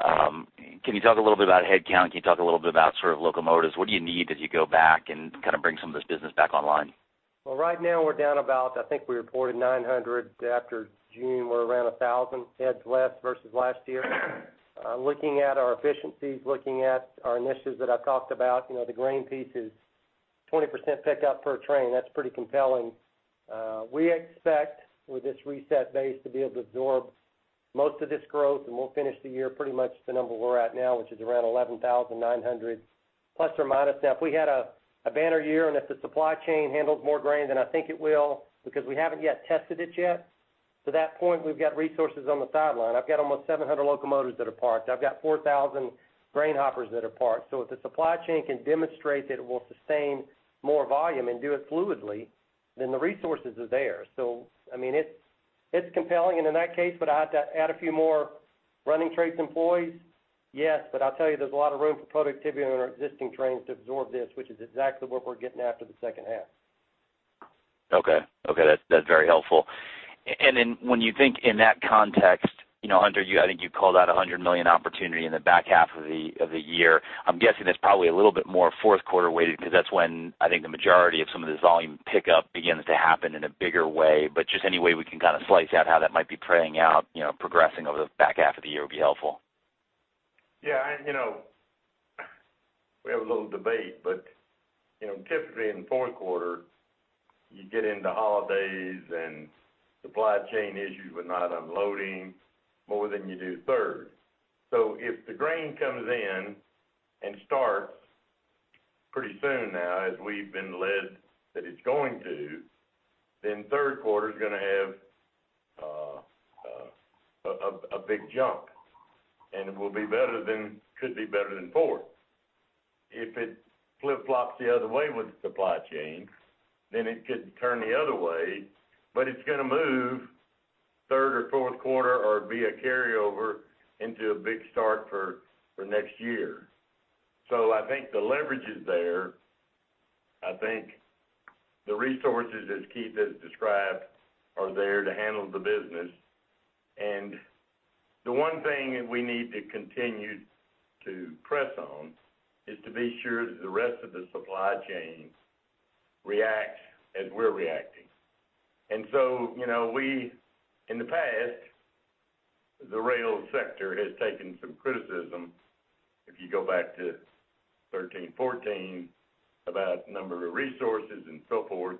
Can you talk a little bit about headcount? Can you talk a little bit about sort of locomotives? What do you need as you go back and kind of bring some of this business back online? Well, right now, we're down about I think we reported 900. After June, we're around 1,000 heads less versus last year. Looking at our efficiencies, looking at our initiatives that I've talked about, the grain piece is 20% pickup per train. That's pretty compelling. We expect, with this reset base, to be able to absorb most of this growth. And we'll finish the year pretty much at the number we're at now, which is around 11,900 plus or minus. Now, if we had a banner year and if the supply chain handles more grain than I think it will because we haven't yet tested it yet, to that point, we've got resources on the sideline. I've got almost 700 locomotives that are parked. I've got 4,000 grain hoppers that are parked. So if the supply chain can demonstrate that it will sustain more volume and do it fluidly, then the resources are there. So I mean, it's compelling. And in that case, would I have to add a few more running trades employees? Yes. But I'll tell you, there's a lot of room for productivity on our existing trains to absorb this, which is exactly what we're getting after the second half. Okay. Okay. That's very helpful. And then when you think in that context, Hunter, I think you called out a 100 million opportunity in the back half of the year. I'm guessing that's probably a little bit more fourth quarter weighted because that's when I think the majority of some of this volume pickup begins to happen in a bigger way. But just any way we can kind of slice out how that might be playing out, progressing over the back half of the year would be helpful. Yeah. We have a little debate. But typically, in the fourth quarter, you get into holidays and supply chain issues with not unloading more than you do third. So if the grain comes in and starts pretty soon now as we've been led that it's going to, then third quarter's going to have a big jump. And it will be better than could be better than fourth. If it flip-flops the other way with the supply chain, then it could turn the other way. But it's going to move third or fourth quarter or be a carryover into a big start for next year. So I think the leverage is there. I think the resources, as Keith has described, are there to handle the business. The one thing that we need to continue to press on is to be sure that the rest of the supply chain reacts as we're reacting. So in the past, the rail sector has taken some criticism, if you go back to 2013, 2014, about number of resources and so forth.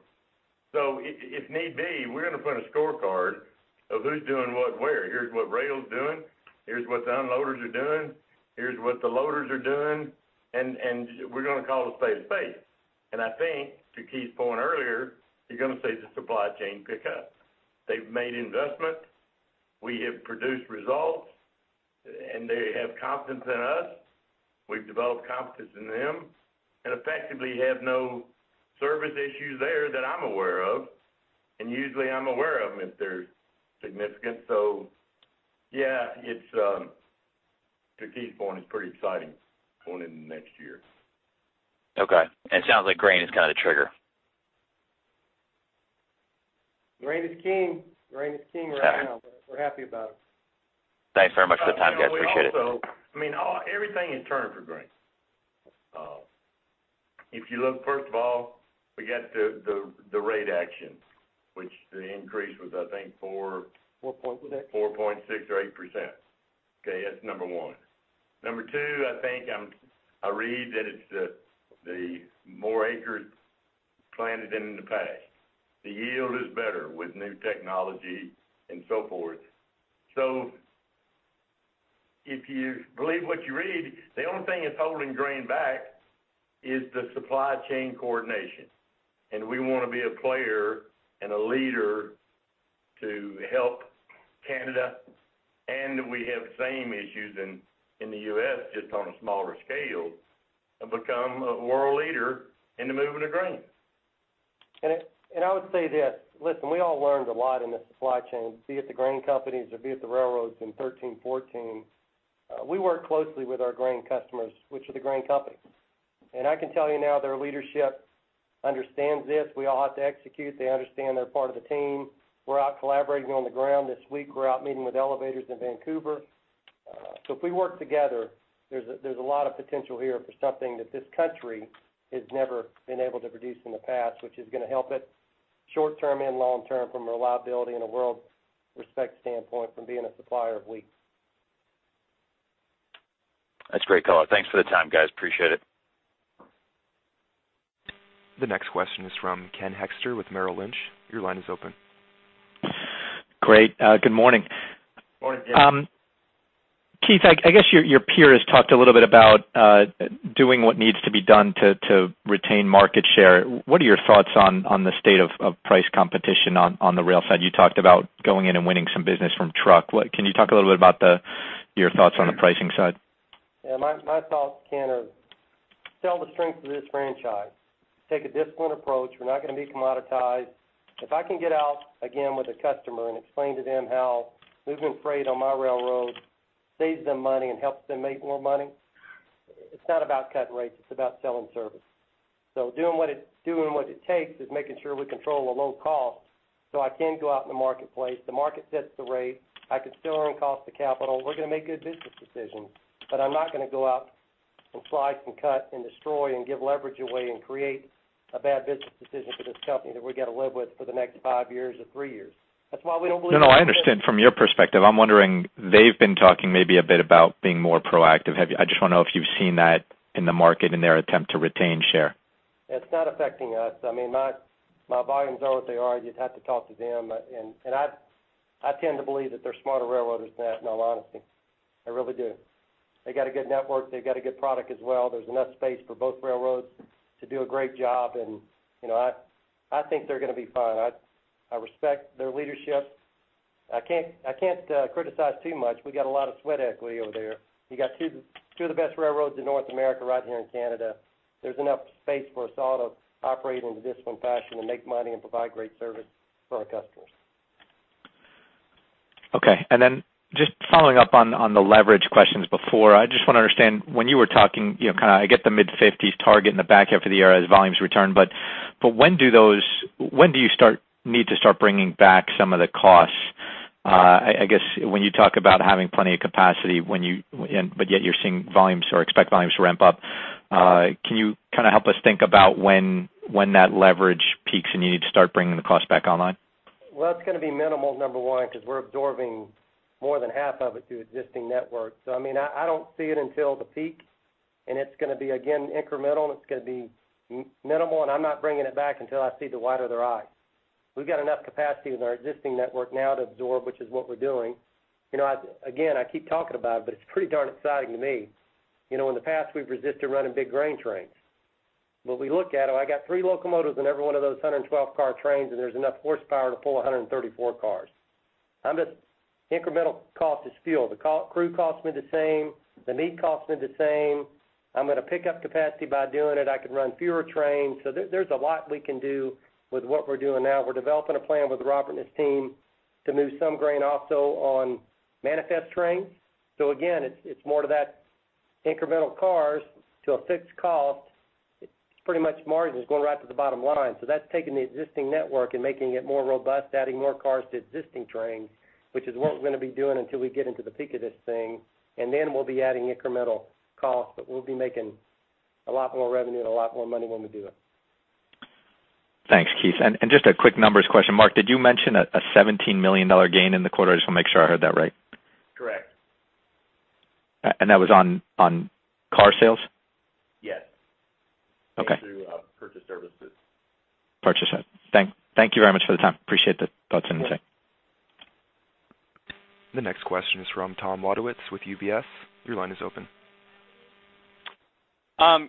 So if need be, we're going to put a scorecard of who's doing what where. Here's what rail's doing. Here's what the unloaders are doing. Here's what the loaders are doing. And we're going to call a spade a spade. And I think, to Keith's point earlier, you're going to say the supply chain pickup. They've made investment. We have produced results. And they have confidence in us. We've developed confidence in them. And effectively, have no service issues there that I'm aware of. And usually, I'm aware of them if they're significant. So yeah. To Keith's point, it's pretty exciting going into next year. Okay. It sounds like grain is kind of the trigger. Grain is king. Grain is king right now. We're happy about it. Thanks very much for the time, guys. Appreciate it. So I mean, everything is turning for grain. If you look, first of all, we got the rate action, which the increase was, I think, 4. 4.6? 4.6% or 8%. Okay. That's number one. Number two, I think I read that it's the more acres planted than in the past. The yield is better with new technology and so forth. So if you believe what you read, the only thing that's holding grain back is the supply chain coordination. And we want to be a player and a leader to help Canada. And we have the same issues in the US just on a smaller scale and become a world leader in the movement of grain. I would say this. Listen, we all learned a lot in the supply chain, be it the grain companies or be it the railroads in 2013, 2014. We work closely with our grain customers, which are the grain companies. I can tell you now, their leadership understands this. We all have to execute. They understand they're part of the team. We're out collaborating on the ground this week. We're out meeting with elevators in Vancouver. So if we work together, there's a lot of potential here for something that this country has never been able to produce in the past, which is going to help it short-term and long-term from a reliability and a world-respect standpoint from being a supplier of wheat. That's great, Hunter. Thanks for the time, guys. Appreciate it. The next question is from Ken Hoexter with BofA Merrill Lynch. Your line is open. Great. Good morning. Morning, Ken. Keith, I guess your peers talked a little bit about doing what needs to be done to retain market share. What are your thoughts on the state of price competition on the rail side? You talked about going in and winning some business from truck. Can you talk a little bit about your thoughts on the pricing side? Yeah. My thoughts, Ken, are sell the strengths of this franchise. Take a disciplined approach. We're not going to be commoditized. If I can get out again with a customer and explain to them how moving freight on my railroad saves them money and helps them make more money, it's not about cutting rates. It's about selling service. So doing what it takes is making sure we control the low cost so I can go out in the marketplace. The market sets the rate. I can still earn cost of capital. We're going to make good business decisions. But I'm not going to go out and slice and cut and destroy and give leverage away and create a bad business decision for this company that we're going to live with for the next five years or three years. That's why we don't believe in. No, no. I understand from your perspective. I'm wondering, they've been talking maybe a bit about being more proactive. I just want to know if you've seen that in the market in their attempt to retain share. It's not affecting us. I mean, my volumes are what they are. You'd have to talk to them. I tend to believe that they're smarter railroaders than that, in all honesty. I really do. They got a good network. They've got a good product as well. There's enough space for both railroads to do a great job. I think they're going to be fine. I respect their leadership. I can't criticize too much. We got a lot of sweat equity over there. You got two of the best railroads in North America right here in Canada. There's enough space for us all to operate in a disciplined fashion and make money and provide great service for our customers. Okay. And then, just following up on the leverage questions before, I just want to understand, when you were talking kind of, I get the mid-50s target in the back half of the year as volumes return. But when do you start need to start bringing back some of the costs? I guess when you talk about having plenty of capacity, but yet you're seeing volumes or expect volumes to ramp up, can you kind of help us think about when that leverage peaks and you need to start bringing the cost back online? Well, it's going to be minimal, number one, because we're absorbing more than half of it to existing network. So I mean, I don't see it until the peak. And it's going to be, again, incremental. And it's going to be minimal. And I'm not bringing it back until I see the wider their eyes. We've got enough capacity with our existing network now to absorb, which is what we're doing. Again, I keep talking about it. But it's pretty darn exciting to me. In the past, we've resisted running big grain trains. But we look at it. Well, I got three locomotives in every one of those 112-car trains. And there's enough horsepower to pull 134 cars. Incremental cost is fuel. The crude costs me the same. The fleet costs me the same. I'm going to pick up capacity by doing it. I can run fewer trains. So there's a lot we can do with what we're doing now. We're developing a plan with Robert and his team to move some grain also on manifest trains. So again, it's more to that incremental cars to a fixed cost. It's pretty much margin is going right to the bottom line. So that's taking the existing network and making it more robust, adding more cars to existing trains, which is what we're going to be doing until we get into the peak of this thing. And then we'll be adding incremental costs. But we'll be making a lot more revenue and a lot more money when we do it. Thanks, Keith. And just a quick numbers question. Mark, did you mention a $17 million gain in the quarter? I just want to make sure I heard that right. Correct. And that was on car sales? Yes. Through purchased services. Purchased services. Thank you very much for the time. Appreciate the thoughts and insight. The next question is from Thomas Wadewitz with UBS. Your line is open.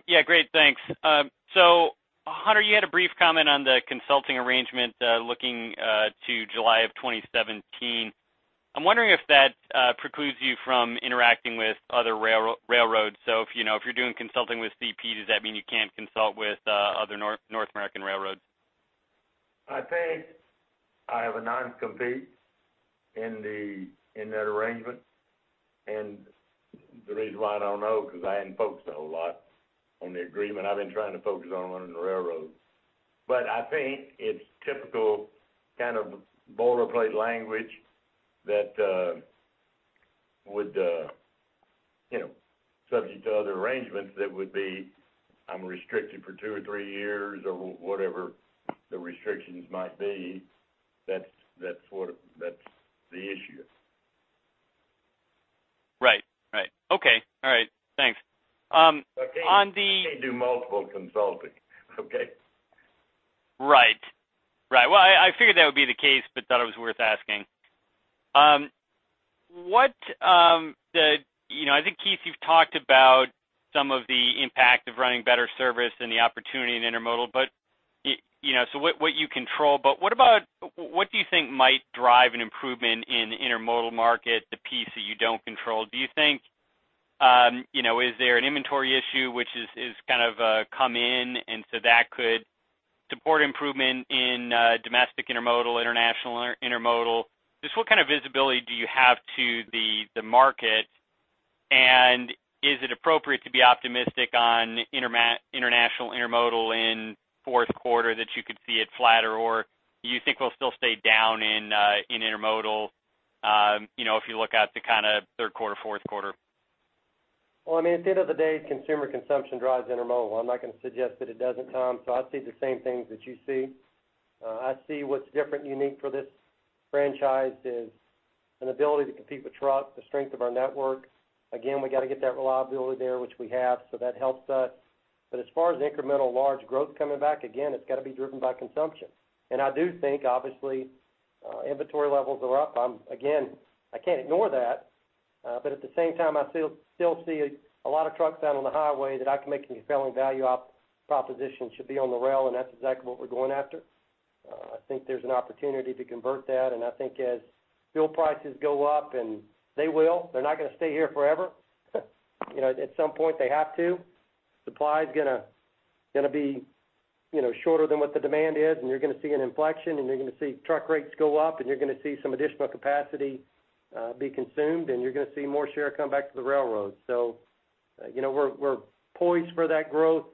Yeah. Great. Thanks. So Hunter, you had a brief comment on the consulting arrangement looking to July of 2017. I'm wondering if that precludes you from interacting with other railroads. So if you're doing consulting with CP, does that mean you can't consult with other North American railroads? I think I have a non-compete in that arrangement. The reason why I don't know is because I hadn't focused a whole lot on the agreement. I've been trying to focus on running the railroad. I think it's typical kind of boilerplate language that would subject to other arrangements that would be, "I'm restricted for two or three years," or whatever the restrictions might be. That's the issue. Right. Right. Okay. All right. Thanks. On the. But Keith can't do multiple consulting. Okay? Right. Right. Well, I figured that would be the case but thought it was worth asking. I think, Keith, you've talked about some of the impact of running better service and the opportunity in intermodal. So what you control. But what do you think might drive an improvement in the intermodal market, the piece that you don't control? Do you think is there an inventory issue which has kind of come in? And so that could support improvement in domestic intermodal, international intermodal. Just what kind of visibility do you have to the market? And is it appropriate to be optimistic on international intermodal in fourth quarter that you could see it flatter? Or do you think we'll still stay down in intermodal if you look out to kind of third quarter, fourth quarter? Well, I mean, at the end of the day, consumer consumption drives intermodal. I'm not going to suggest that it doesn't, Tom. So I see the same things that you see. I see what's different, unique for this franchise is an ability to compete with trucks, the strength of our network. Again, we got to get that reliability there, which we have. So that helps us. But as far as incremental large growth coming back, again, it's got to be driven by consumption. And I do think, obviously, inventory levels are up. Again, I can't ignore that. But at the same time, I still see a lot of trucks out on the highway that I can make a compelling value proposition should be on the rail. And that's exactly what we're going after. I think there's an opportunity to convert that. And I think as fuel prices go up and they will, they're not going to stay here forever. At some point, they have to. Supply's going to be shorter than what the demand is. And you're going to see an inflection. And you're going to see truck rates go up. And you're going to see some additional capacity be consumed. And you're going to see more share come back to the railroads. So we're poised for that growth.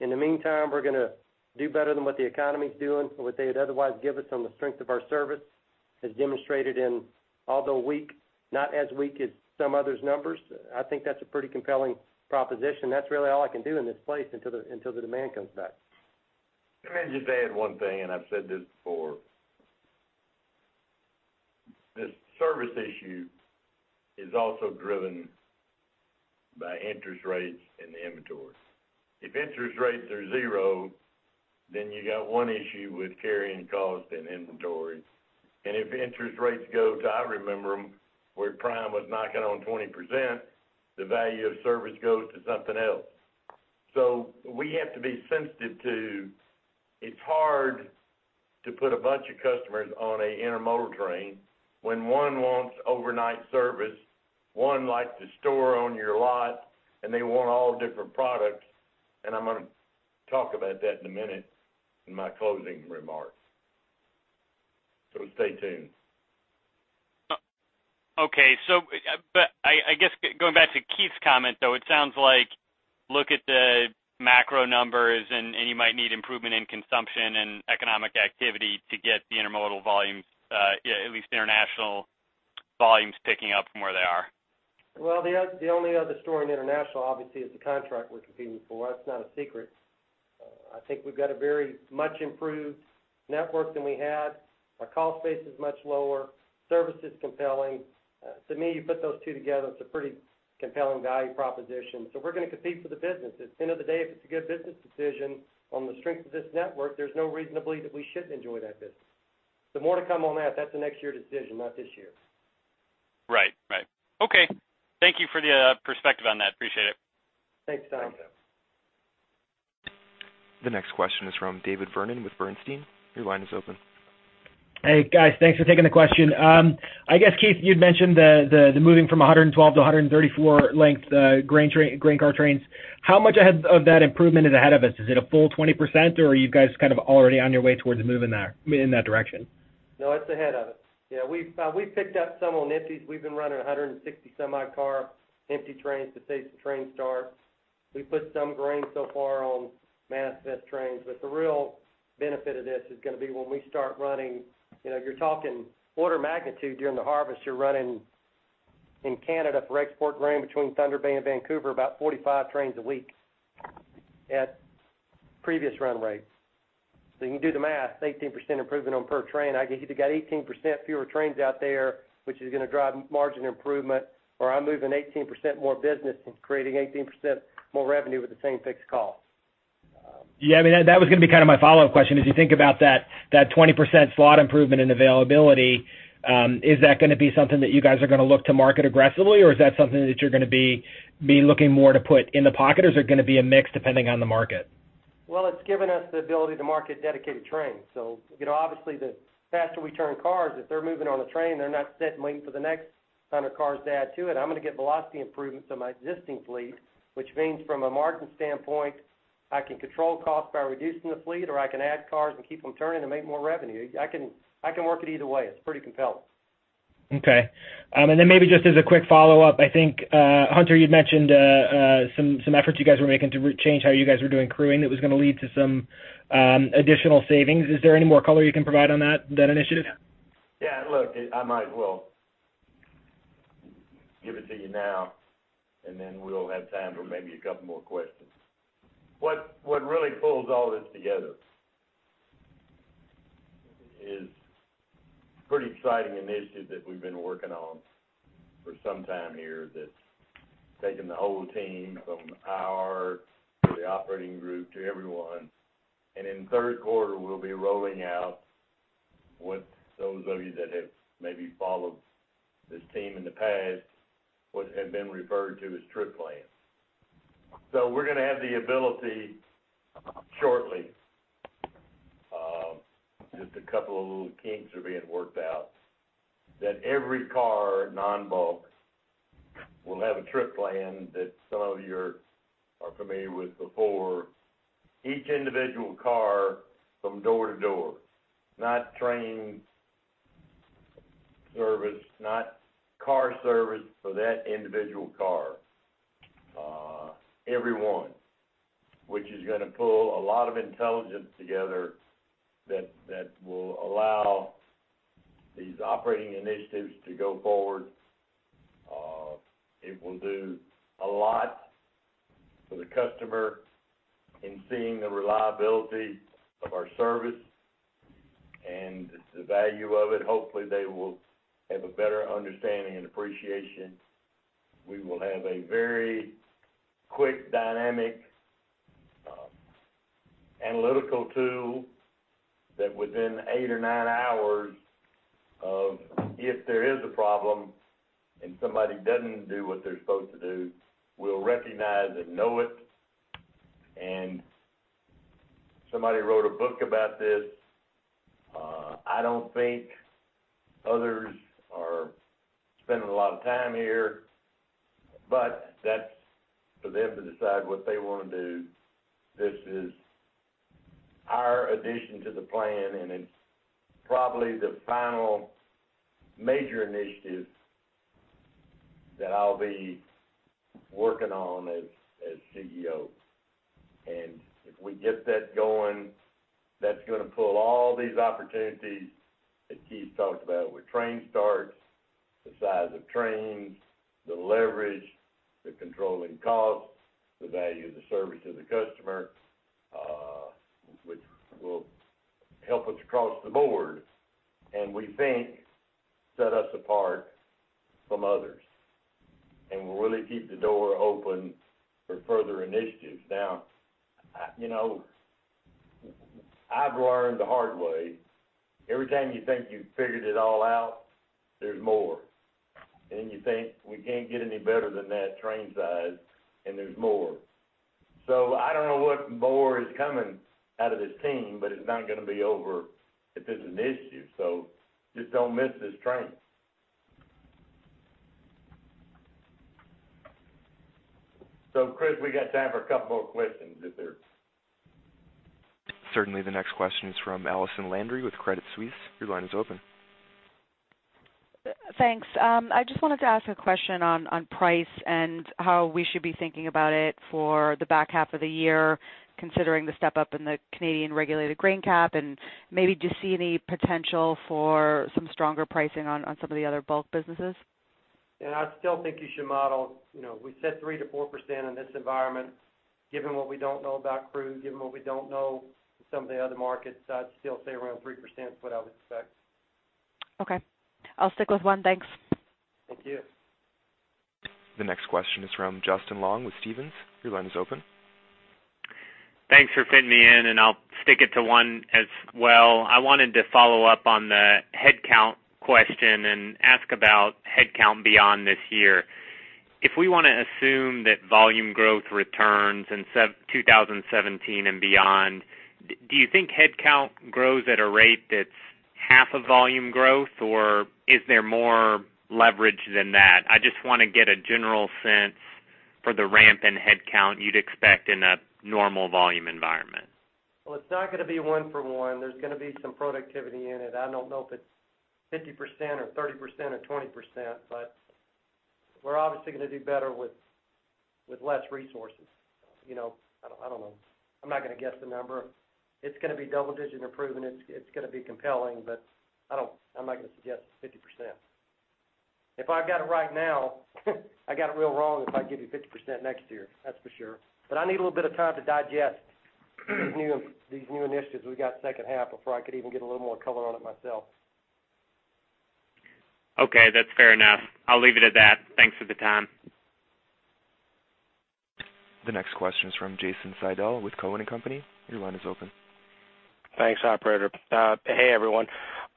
In the meantime, we're going to do better than what the economy's doing or what they would otherwise give us on the strength of our service, as demonstrated in although weak, not as weak as some others' numbers. I think that's a pretty compelling proposition. That's really all I can do in this place until the demand comes back. Let me just add one thing. I've said this before. This service issue is also driven by interest rates and the inventory. If interest rates are zero, then you got one issue with carrying cost and inventory. If interest rates go to, I remember where prime was knocking on 20% the value of service goes to something else. We have to be sensitive to it's hard to put a bunch of customers on an intermodal train when one wants overnight service, one likes to store on your lot, and they want all different products. I'm going to talk about that in a minute in my closing remarks. Stay tuned. Okay. But I guess going back to Keith's comment, though, it sounds like look at the macro numbers. And you might need improvement in consumption and economic activity to get the intermodal volumes, at least international volumes, picking up from where they are. Well, the only other story in international, obviously, is the contract we're competing for. That's not a secret. I think we've got a very much improved network than we had. Our cost base is much lower. Service is compelling. To me, you put those two together, it's a pretty compelling value proposition. So we're going to compete for the business. At the end of the day, if it's a good business decision on the strength of this network, there's no reason that we shouldn't enjoy that business. There's more to come on that, that's a next-year decision, not this year. Right. Right. Okay. Thank you for the perspective on that. Appreciate it. Thanks, Tom. Thank you. The next question is from David Vernon with Bernstein. Your line is open. Hey, guys. Thanks for taking the question. I guess, Keith, you'd mentioned the moving from 112 to 134-length grain car trains. How much of that improvement is ahead of us? Is it a full 20%? Or are you guys kind of already on your way towards moving in that direction? No, it's ahead of us. Yeah. We've picked up some on empties. We've been running 160-some-odd-car empty trains to save some train starts. We put some grain so far on manifest trains. But the real benefit of this is going to be when we start running. You're talking order of magnitude during the harvest. You're running in Canada for export grain between Thunder Bay and Vancouver about 45 trains a week at previous run rate. So you can do the math, 18% improvement on per train. I guess you got 18% fewer trains out there, which is going to drive margin improvement. Or I'm moving 18% more business and creating 18% more revenue with the same fixed cost. Yeah. I mean, that was going to be kind of my follow-up question. As you think about that 20% slot improvement in availability, is that going to be something that you guys are going to look to market aggressively? Or is that something that you're going to be looking more to put in the pocket? Or is it going to be a mix depending on the market? Well, it's given us the ability to market dedicated trains. So obviously, the faster we turn cars, if they're moving on a train, they're not sitting waiting for the next 100 cars to add to it. I'm going to get velocity improvements on my existing fleet, which means from a margin standpoint, I can control costs by reducing the fleet. Or I can add cars and keep them turning and make more revenue. I can work it either way. It's pretty compelling. Okay. And then maybe just as a quick follow-up, I think, Hunter, you'd mentioned some efforts you guys were making to change how you guys were doing crewing that was going to lead to some additional savings. Is there any more color you can provide on that initiative? Yeah. Look, I might as well give it to you now. And then we'll have time for maybe a couple more questions. What really pulls all this together is a pretty exciting initiative that we've been working on for some time here that's taken the whole team from HR to the operating group to everyone. And in third quarter, we'll be rolling out what those of you that have maybe followed this team in the past, what had been referred to as trip plans. So we're going to have the ability shortly, just a couple of little kinks are being worked out, that every car, non-bulk, will have a trip plan that some of you are familiar with before, each individual car from door to door, not train service, not car service for that individual car, everyone, which is going to pull a lot of intelligence together that will allow these operating initiatives to go forward. It will do a lot for the customer in seeing the reliability of our service and the value of it. Hopefully, they will have a better understanding and appreciation. We will have a very quick, dynamic, analytical tool that within 8 or 9 hours of if there is a problem and somebody doesn't do what they're supposed to do, will recognize and know it. And somebody wrote a book about this. I don't think others are spending a lot of time here. But that's for them to decide what they want to do. This is our addition to the plan. It's probably the final major initiative that I'll be working on as CEO. If we get that going, that's going to pull all these opportunities that Keith talked about with train starts, the size of trains, the leverage, the controlling costs, the value of the service to the customer, which will help us across the board and, we think, set us apart from others. We'll really keep the door open for further initiatives. Now, I've learned the hard way. Every time you think you've figured it all out, there's more. Then you think, "We can't get any better than that train size." There's more. So I don't know what more is coming out of this team. But it's not going to be over if it's an issue. So just don't miss this train. So, Chris, we got time for a couple more questions if there's. Certainly. The next question is from Allison Landry with Credit Suisse. Your line is open. Thanks. I just wanted to ask a question on price and how we should be thinking about it for the back half of the year considering the step up in the Canadian regulated grain cap and maybe do you see any potential for some stronger pricing on some of the other bulk businesses? Yeah. I still think you should model we set 3%-4% in this environment. Given what we don't know about crude, given what we don't know in some of the other markets, I'd still say around 3% is what I would expect. Okay. I'll stick with one. Thanks. Thank you. The next question is from Justin Long with Stephens. Your line is open. Thanks for fitting me in. I'll stick it to one as well. I wanted to follow up on the headcount question and ask about headcount beyond this year. If we want to assume that volume growth returns in 2017 and beyond, do you think headcount grows at a rate that's half of volume growth? Or is there more leverage than that? I just want to get a general sense for the ramp in headcount you'd expect in a normal volume environment. Well, it's not going to be one-for-one. There's going to be some productivity in it. I don't know if it's 50% or 30% or 20%. But we're obviously going to do better with less resources. I don't know. I'm not going to guess the number. It's going to be double-digit improvement. It's going to be compelling. But I'm not going to suggest it's 50%. If I've got it right now, I got it real wrong if I give you 50% next year. That's for sure. But I need a little bit of time to digest these new initiatives we got second half before I could even get a little more color on it myself. Okay. That's fair enough. I'll leave it at that. Thanks for the time. The next question is from Jason Seidel with Cowen and Company. Your line is open. Thanks, operator. Hey, everyone.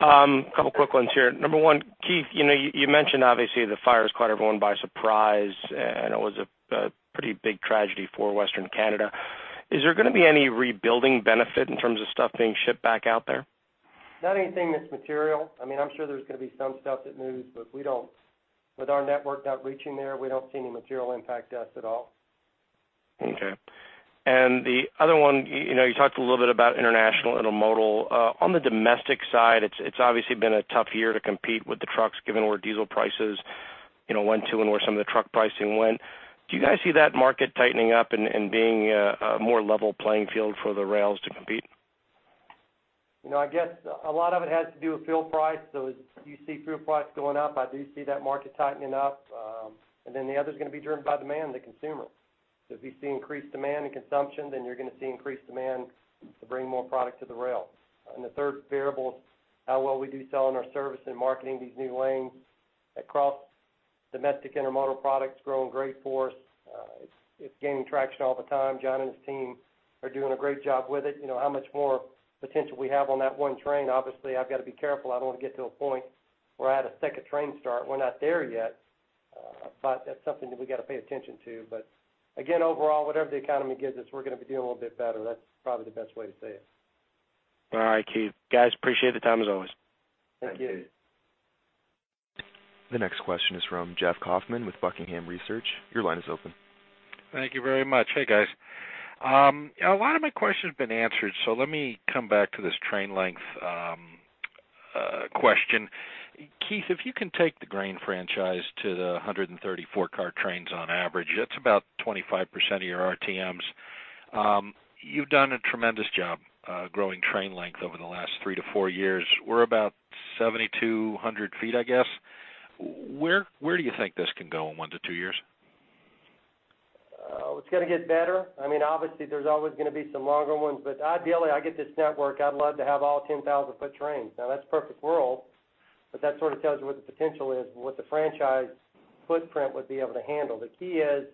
A couple quick ones here. Number one, Keith, you mentioned, obviously, the fire has caught everyone by surprise. It was a pretty big tragedy for Western Canada. Is there going to be any rebuilding benefit in terms of stuff being shipped back out there? Not anything that's material. I mean, I'm sure there's going to be some stuff that moves. But with our network not reaching there, we don't see any material impact to us at all. Okay. And the other one, you talked a little bit about international intermodal. On the domestic side, it's obviously been a tough year to compete with the trucks given where diesel prices went to and where some of the truck pricing went. Do you guys see that market tightening up and being a more level playing field for the rails to compete? I guess a lot of it has to do with fuel price. So as you see fuel price going up, I do see that market tightening up. And then the other is going to be driven by demand, the consumer. So if you see increased demand and consumption, then you're going to see increased demand to bring more product to the rail. And the third variable is how well we do selling our service and marketing these new lanes across domestic intermodal, products growing great for us. It's gaining traction all the time. John and his team are doing a great job with it. How much more potential we have on that one train, obviously, I've got to be careful. I don't want to get to a point where I had a second train start. We're not there yet. But that's something that we got to pay attention to. But again, overall, whatever the economy gives us, we're going to be doing a little bit better. That's probably the best way to say it. All right, Keith. Guys, appreciate the time as always. Thank you. Thank you. The next question is from Jeff Kauffman with Buckingham Research. Your line is open. Thank you very much. Hey, guys. A lot of my questions have been answered. So let me come back to this train length question. Keith, if you can take the grain franchise to the 134-car trains on average, that's about 25% of your RTMs. You've done a tremendous job growing train length over the last three to four years. We're about 7,200 feet, I guess. Where do you think this can go in one to two years? Oh, it's going to get better. I mean, obviously, there's always going to be some longer ones. But ideally, I get this network. I'd love to have all 10,000-foot trains. Now, that's perfect world. But that sort of tells you what the potential is, what the franchise footprint would be able to handle. The key is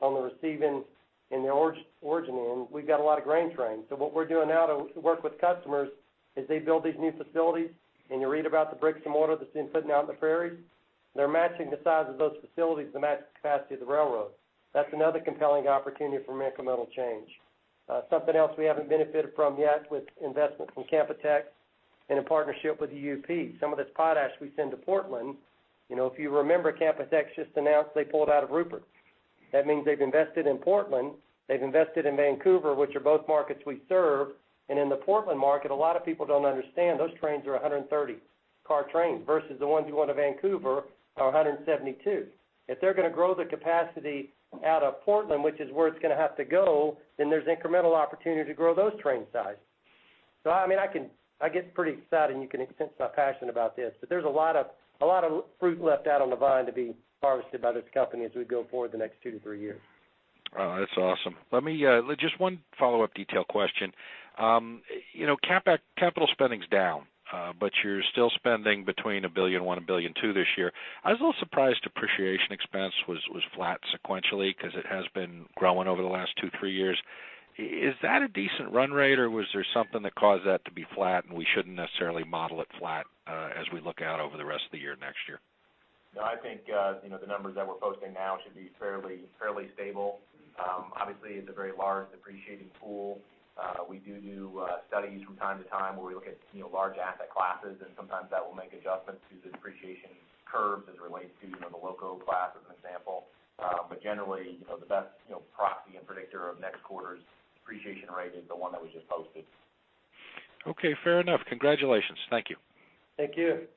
on the receiving and the origin end, we've got a lot of grain trains. So what we're doing now to work with customers is they build these new facilities. And you read about the bricks and mortar that's been putting out in the prairies. They're matching the size of those facilities to match the capacity of the railroad. That's another compelling opportunity for incremental change. Something else we haven't benefited from yet with investment from Canpotex and in partnership with UP. Some of this potash we send to Portland, if you remember, Canpotex just announced they pulled out of Rupert. That means they've invested in Portland. They've invested in Vancouver, which are both markets we serve. And in the Portland market, a lot of people don't understand those trains are 130-car trains versus the ones you want in Vancouver are 172. If they're going to grow the capacity out of Portland, which is where it's going to have to go, then there's incremental opportunity to grow those train sizes. So I mean, I get pretty excited. And you can sense my passion about this. But there's a lot of fruit left out on the vine to be harvested by this company as we go forward the next 2-3 years. That's awesome. Just one follow-up detail question. Capital spending's down. But you're still spending between $1.1 billion-$1.2 billion this year. I was a little surprised depreciation expense was flat sequentially because it has been growing over the last 2-3 years. Is that a decent run rate? Or was there something that caused that to be flat? And we shouldn't necessarily model it flat as we look out over the rest of the year next year? No. I think the numbers that we're posting now should be fairly stable. Obviously, it's a very large depreciating pool. We do do studies from time to time where we look at large asset classes. And sometimes that will make adjustments to the depreciation curves as it relates to the locomotive class as an example. But generally, the best proxy and predictor of next quarter's depreciation rate is the one that we just posted. Okay. Fair enough. Congratulations. Thank you. Thank you.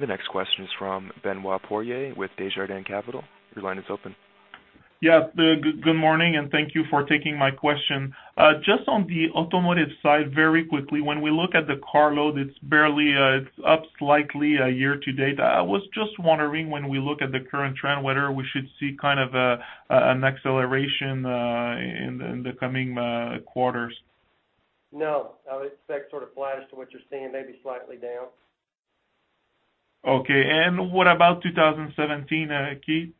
The next question is from Benoit Poirier with Desjardins Capital. Your line is open. Yeah. Good morning. And thank you for taking my question. Just on the automotive side, very quickly, when we look at the carload, it's up slightly year to date. I was just wondering, when we look at the current trend, whether we should see kind of an acceleration in the coming quarters. No. I would expect sort of flat as to what you're seeing, maybe slightly down. Okay. And what about 2017, Keith?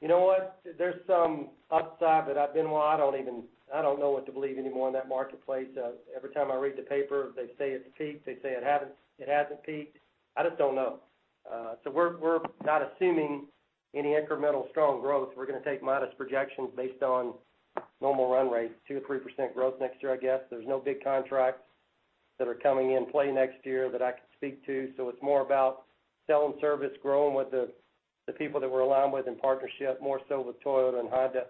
You know what? There's some upside. But I don't know what to believe anymore in that marketplace. Every time I read the paper, they say it's peaked. They say it hasn't peaked. I just don't know. So we're not assuming any incremental strong growth. We're going to take modest projections based on normal run rates, 2%-3% growth next year, I guess. There's no big contracts that are coming in play next year that I could speak to. So it's more about selling service, growing with the people that we're aligned with in partnership, more so with Toyota and Honda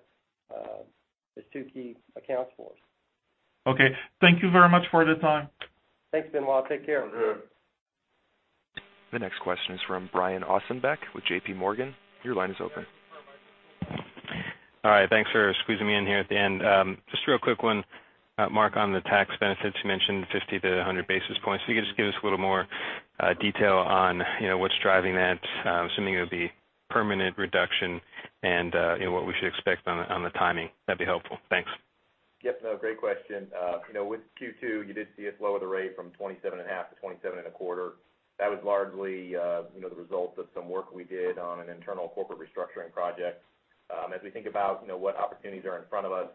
as two key accounts for us. Okay. Thank you very much for your time. Thanks, Benoit. Take care. The next question is from Brian Ossenbeck with J.P. Morgan. Your line is open. All right. Thanks for squeezing me in here at the end. Just real quick one, Mark, on the tax benefits. You mentioned 50-100 basis points. If you could just give us a little more detail on what's driving that, assuming it would be permanent reduction and what we should expect on the timing, that'd be helpful. Thanks. Yep. No. Great question. With Q2, you did see us lower the rate from 27.5%-27.25%. That was largely the result of some work we did on an internal corporate restructuring project. As we think about what opportunities are in front of us,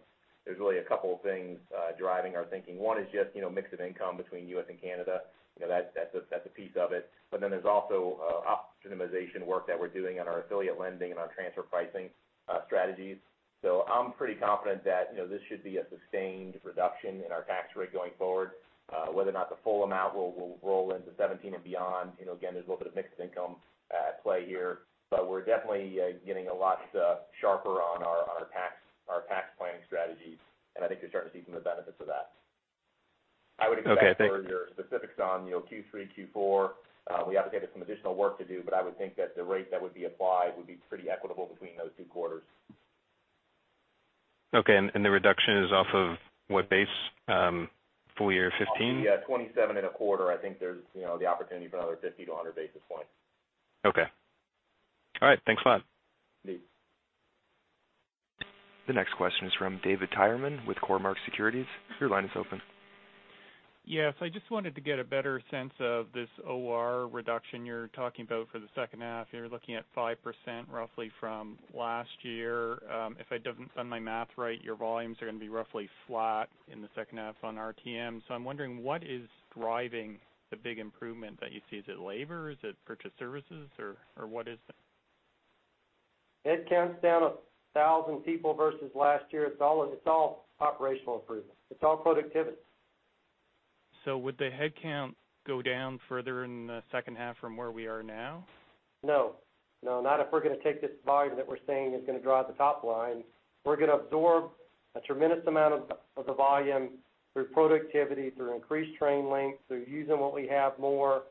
there's really a couple things driving our thinking. One is just mix of income between US and Canada. That's a piece of it. But then there's also optimization work that we're doing on our affiliate lending and our transfer pricing strategies. So I'm pretty confident that this should be a sustained reduction in our tax rate going forward, whether or not the full amount will roll into 2017 and beyond. Again, there's a little bit of mixed income at play here. But we're definitely getting a lot sharper on our tax planning strategies. I think you're starting to see some of the benefits of that. I would expect for your specifics on Q3, Q4, we obviously have some additional work to do. I would think that the rate that would be applied would be pretty equitable between those two quarters. Okay. The reduction is off of what base, full year 2015? Yeah. 27.25, I think there's the opportunity for another 50-100 basis points. Okay. All right. Thanks a lot. Thanks. The next question is from David Tyerman with Cormark Securities. Your line is open. Yes. I just wanted to get a better sense of this OR reduction you're talking about for the second half. You're looking at 5% roughly from last year. If I've done my math right, your volumes are going to be roughly flat in the second half on RTMs. So I'm wondering, what is driving the big improvement that you see? Is it labor? Is it purchased services? Or what is it? Headcounts down 1,000 people versus last year. It's all operational improvement. It's all productivity. Would the headcount go down further in the second half from where we are now? No. No. Not if we're going to take this volume that we're seeing is going to drive the top line. We're going to absorb a tremendous amount of the volume through productivity, through increased train length, through using what we have more.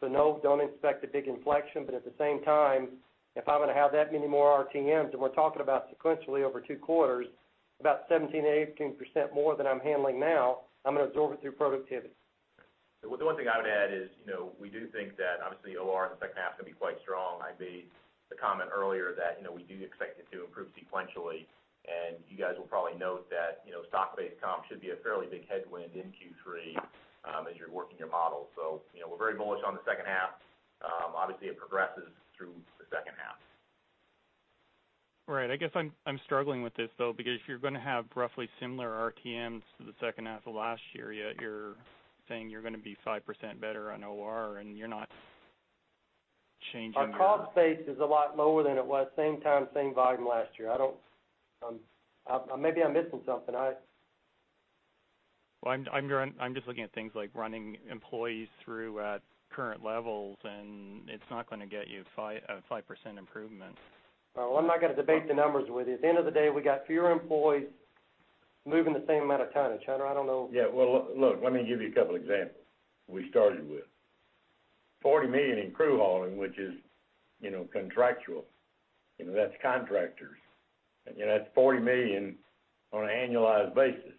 So no, don't expect a big inflection. But at the same time, if I'm going to have that many more RTMs, and we're talking about sequentially over two quarters, about 17%-18% more than I'm handling now, I'm going to absorb it through productivity. The one thing I would add is we do think that, obviously, OR in the second half is going to be quite strong. I made the comment earlier that we do expect it to improve sequentially. And you guys will probably note that stock-based comp should be a fairly big headwind in Q3 as you're working your models. So we're very bullish on the second half. Obviously, it progresses through the second half. Right. I guess I'm struggling with this, though, because if you're going to have roughly similar RTMs to the second half of last year, you're saying you're going to be 5% better on OR. And you're not changing the. Our cost base is a lot lower than it was, same time, same volume last year. Maybe I'm missing something. Well, I'm just looking at things like running employees through at current levels. It's not going to get you a 5% improvement. Well, I'm not going to debate the numbers with you. At the end of the day, we got fewer employees moving the same amount of time. Hunter, I don't know. Yeah. Well, look. Let me give you a couple examples we started with. 40 million in crude hauling, which is contractual. That's contractors. And that's 40 million on an annualized basis.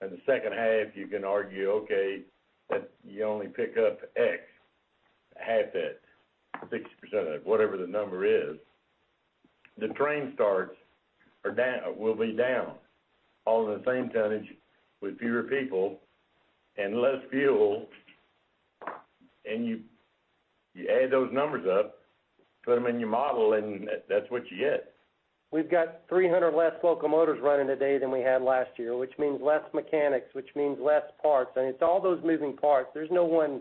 And the second half, you can argue, okay, that you only pick up X, half that, 60% of that, whatever the number is. The train starts will be down, hauling the same tonnage with fewer people and less fuel. And you add those numbers up, put them in your model. And that's what you get. We've got 300 less locomotives running today than we had last year, which means less mechanics, which means less parts. It's all those moving parts. There's no one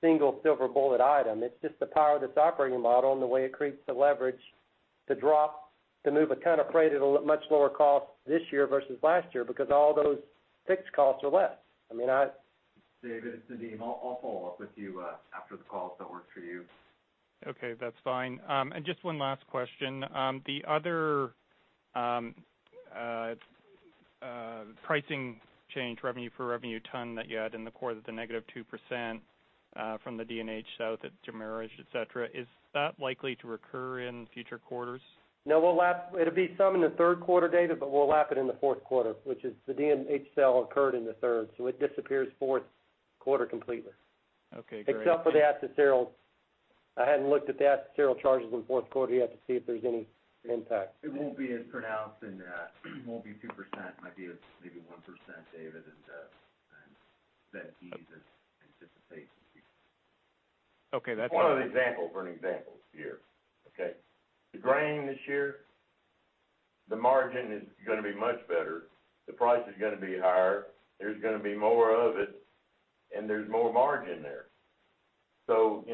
single silver bullet item. It's just the power that's operating the model and the way it creates the leverage to move a ton of freight at a much lower cost this year versus last year because all those fixed costs are less. I mean, I. David, it's Nadeem. I'll follow up with you after the call. If that works for you. Okay. That's fine. And just one last question. The other pricing change, revenue per revenue ton that you had in the quarter at the -2% from the D&H sale to Norfolk Southern, etc., is that likely to recur in future quarters? No. It'll be some in the third quarter, David. But we'll lap it in the fourth quarter, which is the D&H sale occurred in the third. So it disappears fourth quarter completely. Okay. Great. Except for the accessorials. I hadn't looked at the accessorial charges in fourth quarter. You have to see if there's any impact. It won't be as pronounced. It won't be 2%. It might be maybe 1%, David, and then ease as anticipated. Okay. That's fine. One of the examples, for example, here, okay, the grain this year, the margin is going to be much better. The price is going to be higher. There's going to be more of it. And there's more margin there. So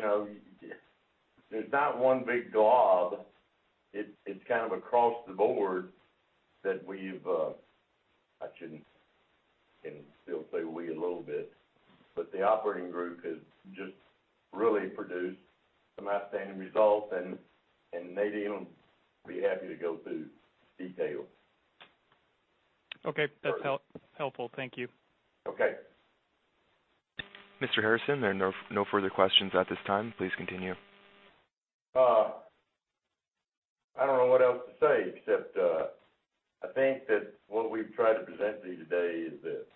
there's not one big glob. It's kind of across the board that we've I can still say we a little bit. But the operating group has just really produced some outstanding results. And Nadeem will be happy to go through detail. Okay. That's helpful. Thank you. Okay. Mr. Harrison, there are no further questions at this time. Please continue. I don't know what else to say except I think that what we've tried to present to you today is this: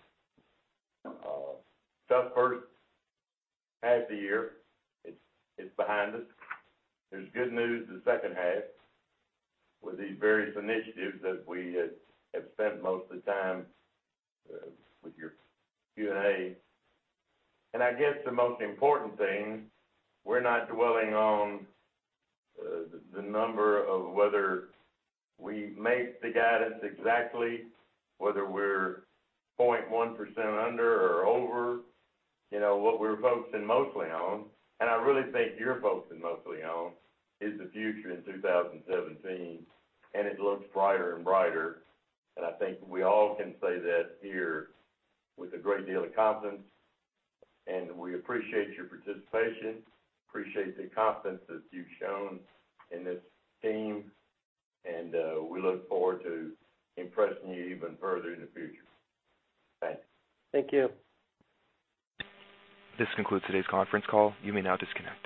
tough first half of the year. It's behind us. There's good news the second half with these various initiatives that we have spent most of the time with your Q&A. And I guess the most important thing, we're not dwelling on the number of whether we make the guidance exactly, whether we're 0.1% under or over what we're focusing mostly on. And I really think you're focusing mostly on is the future in 2017. And it looks brighter and brighter. And I think we all can say that here with a great deal of confidence. And we appreciate your participation. Appreciate the confidence that you've shown in this team. And we look forward to impressing you even further in the future. Thank you. Thank you. This concludes today's conference call. You may now disconnect.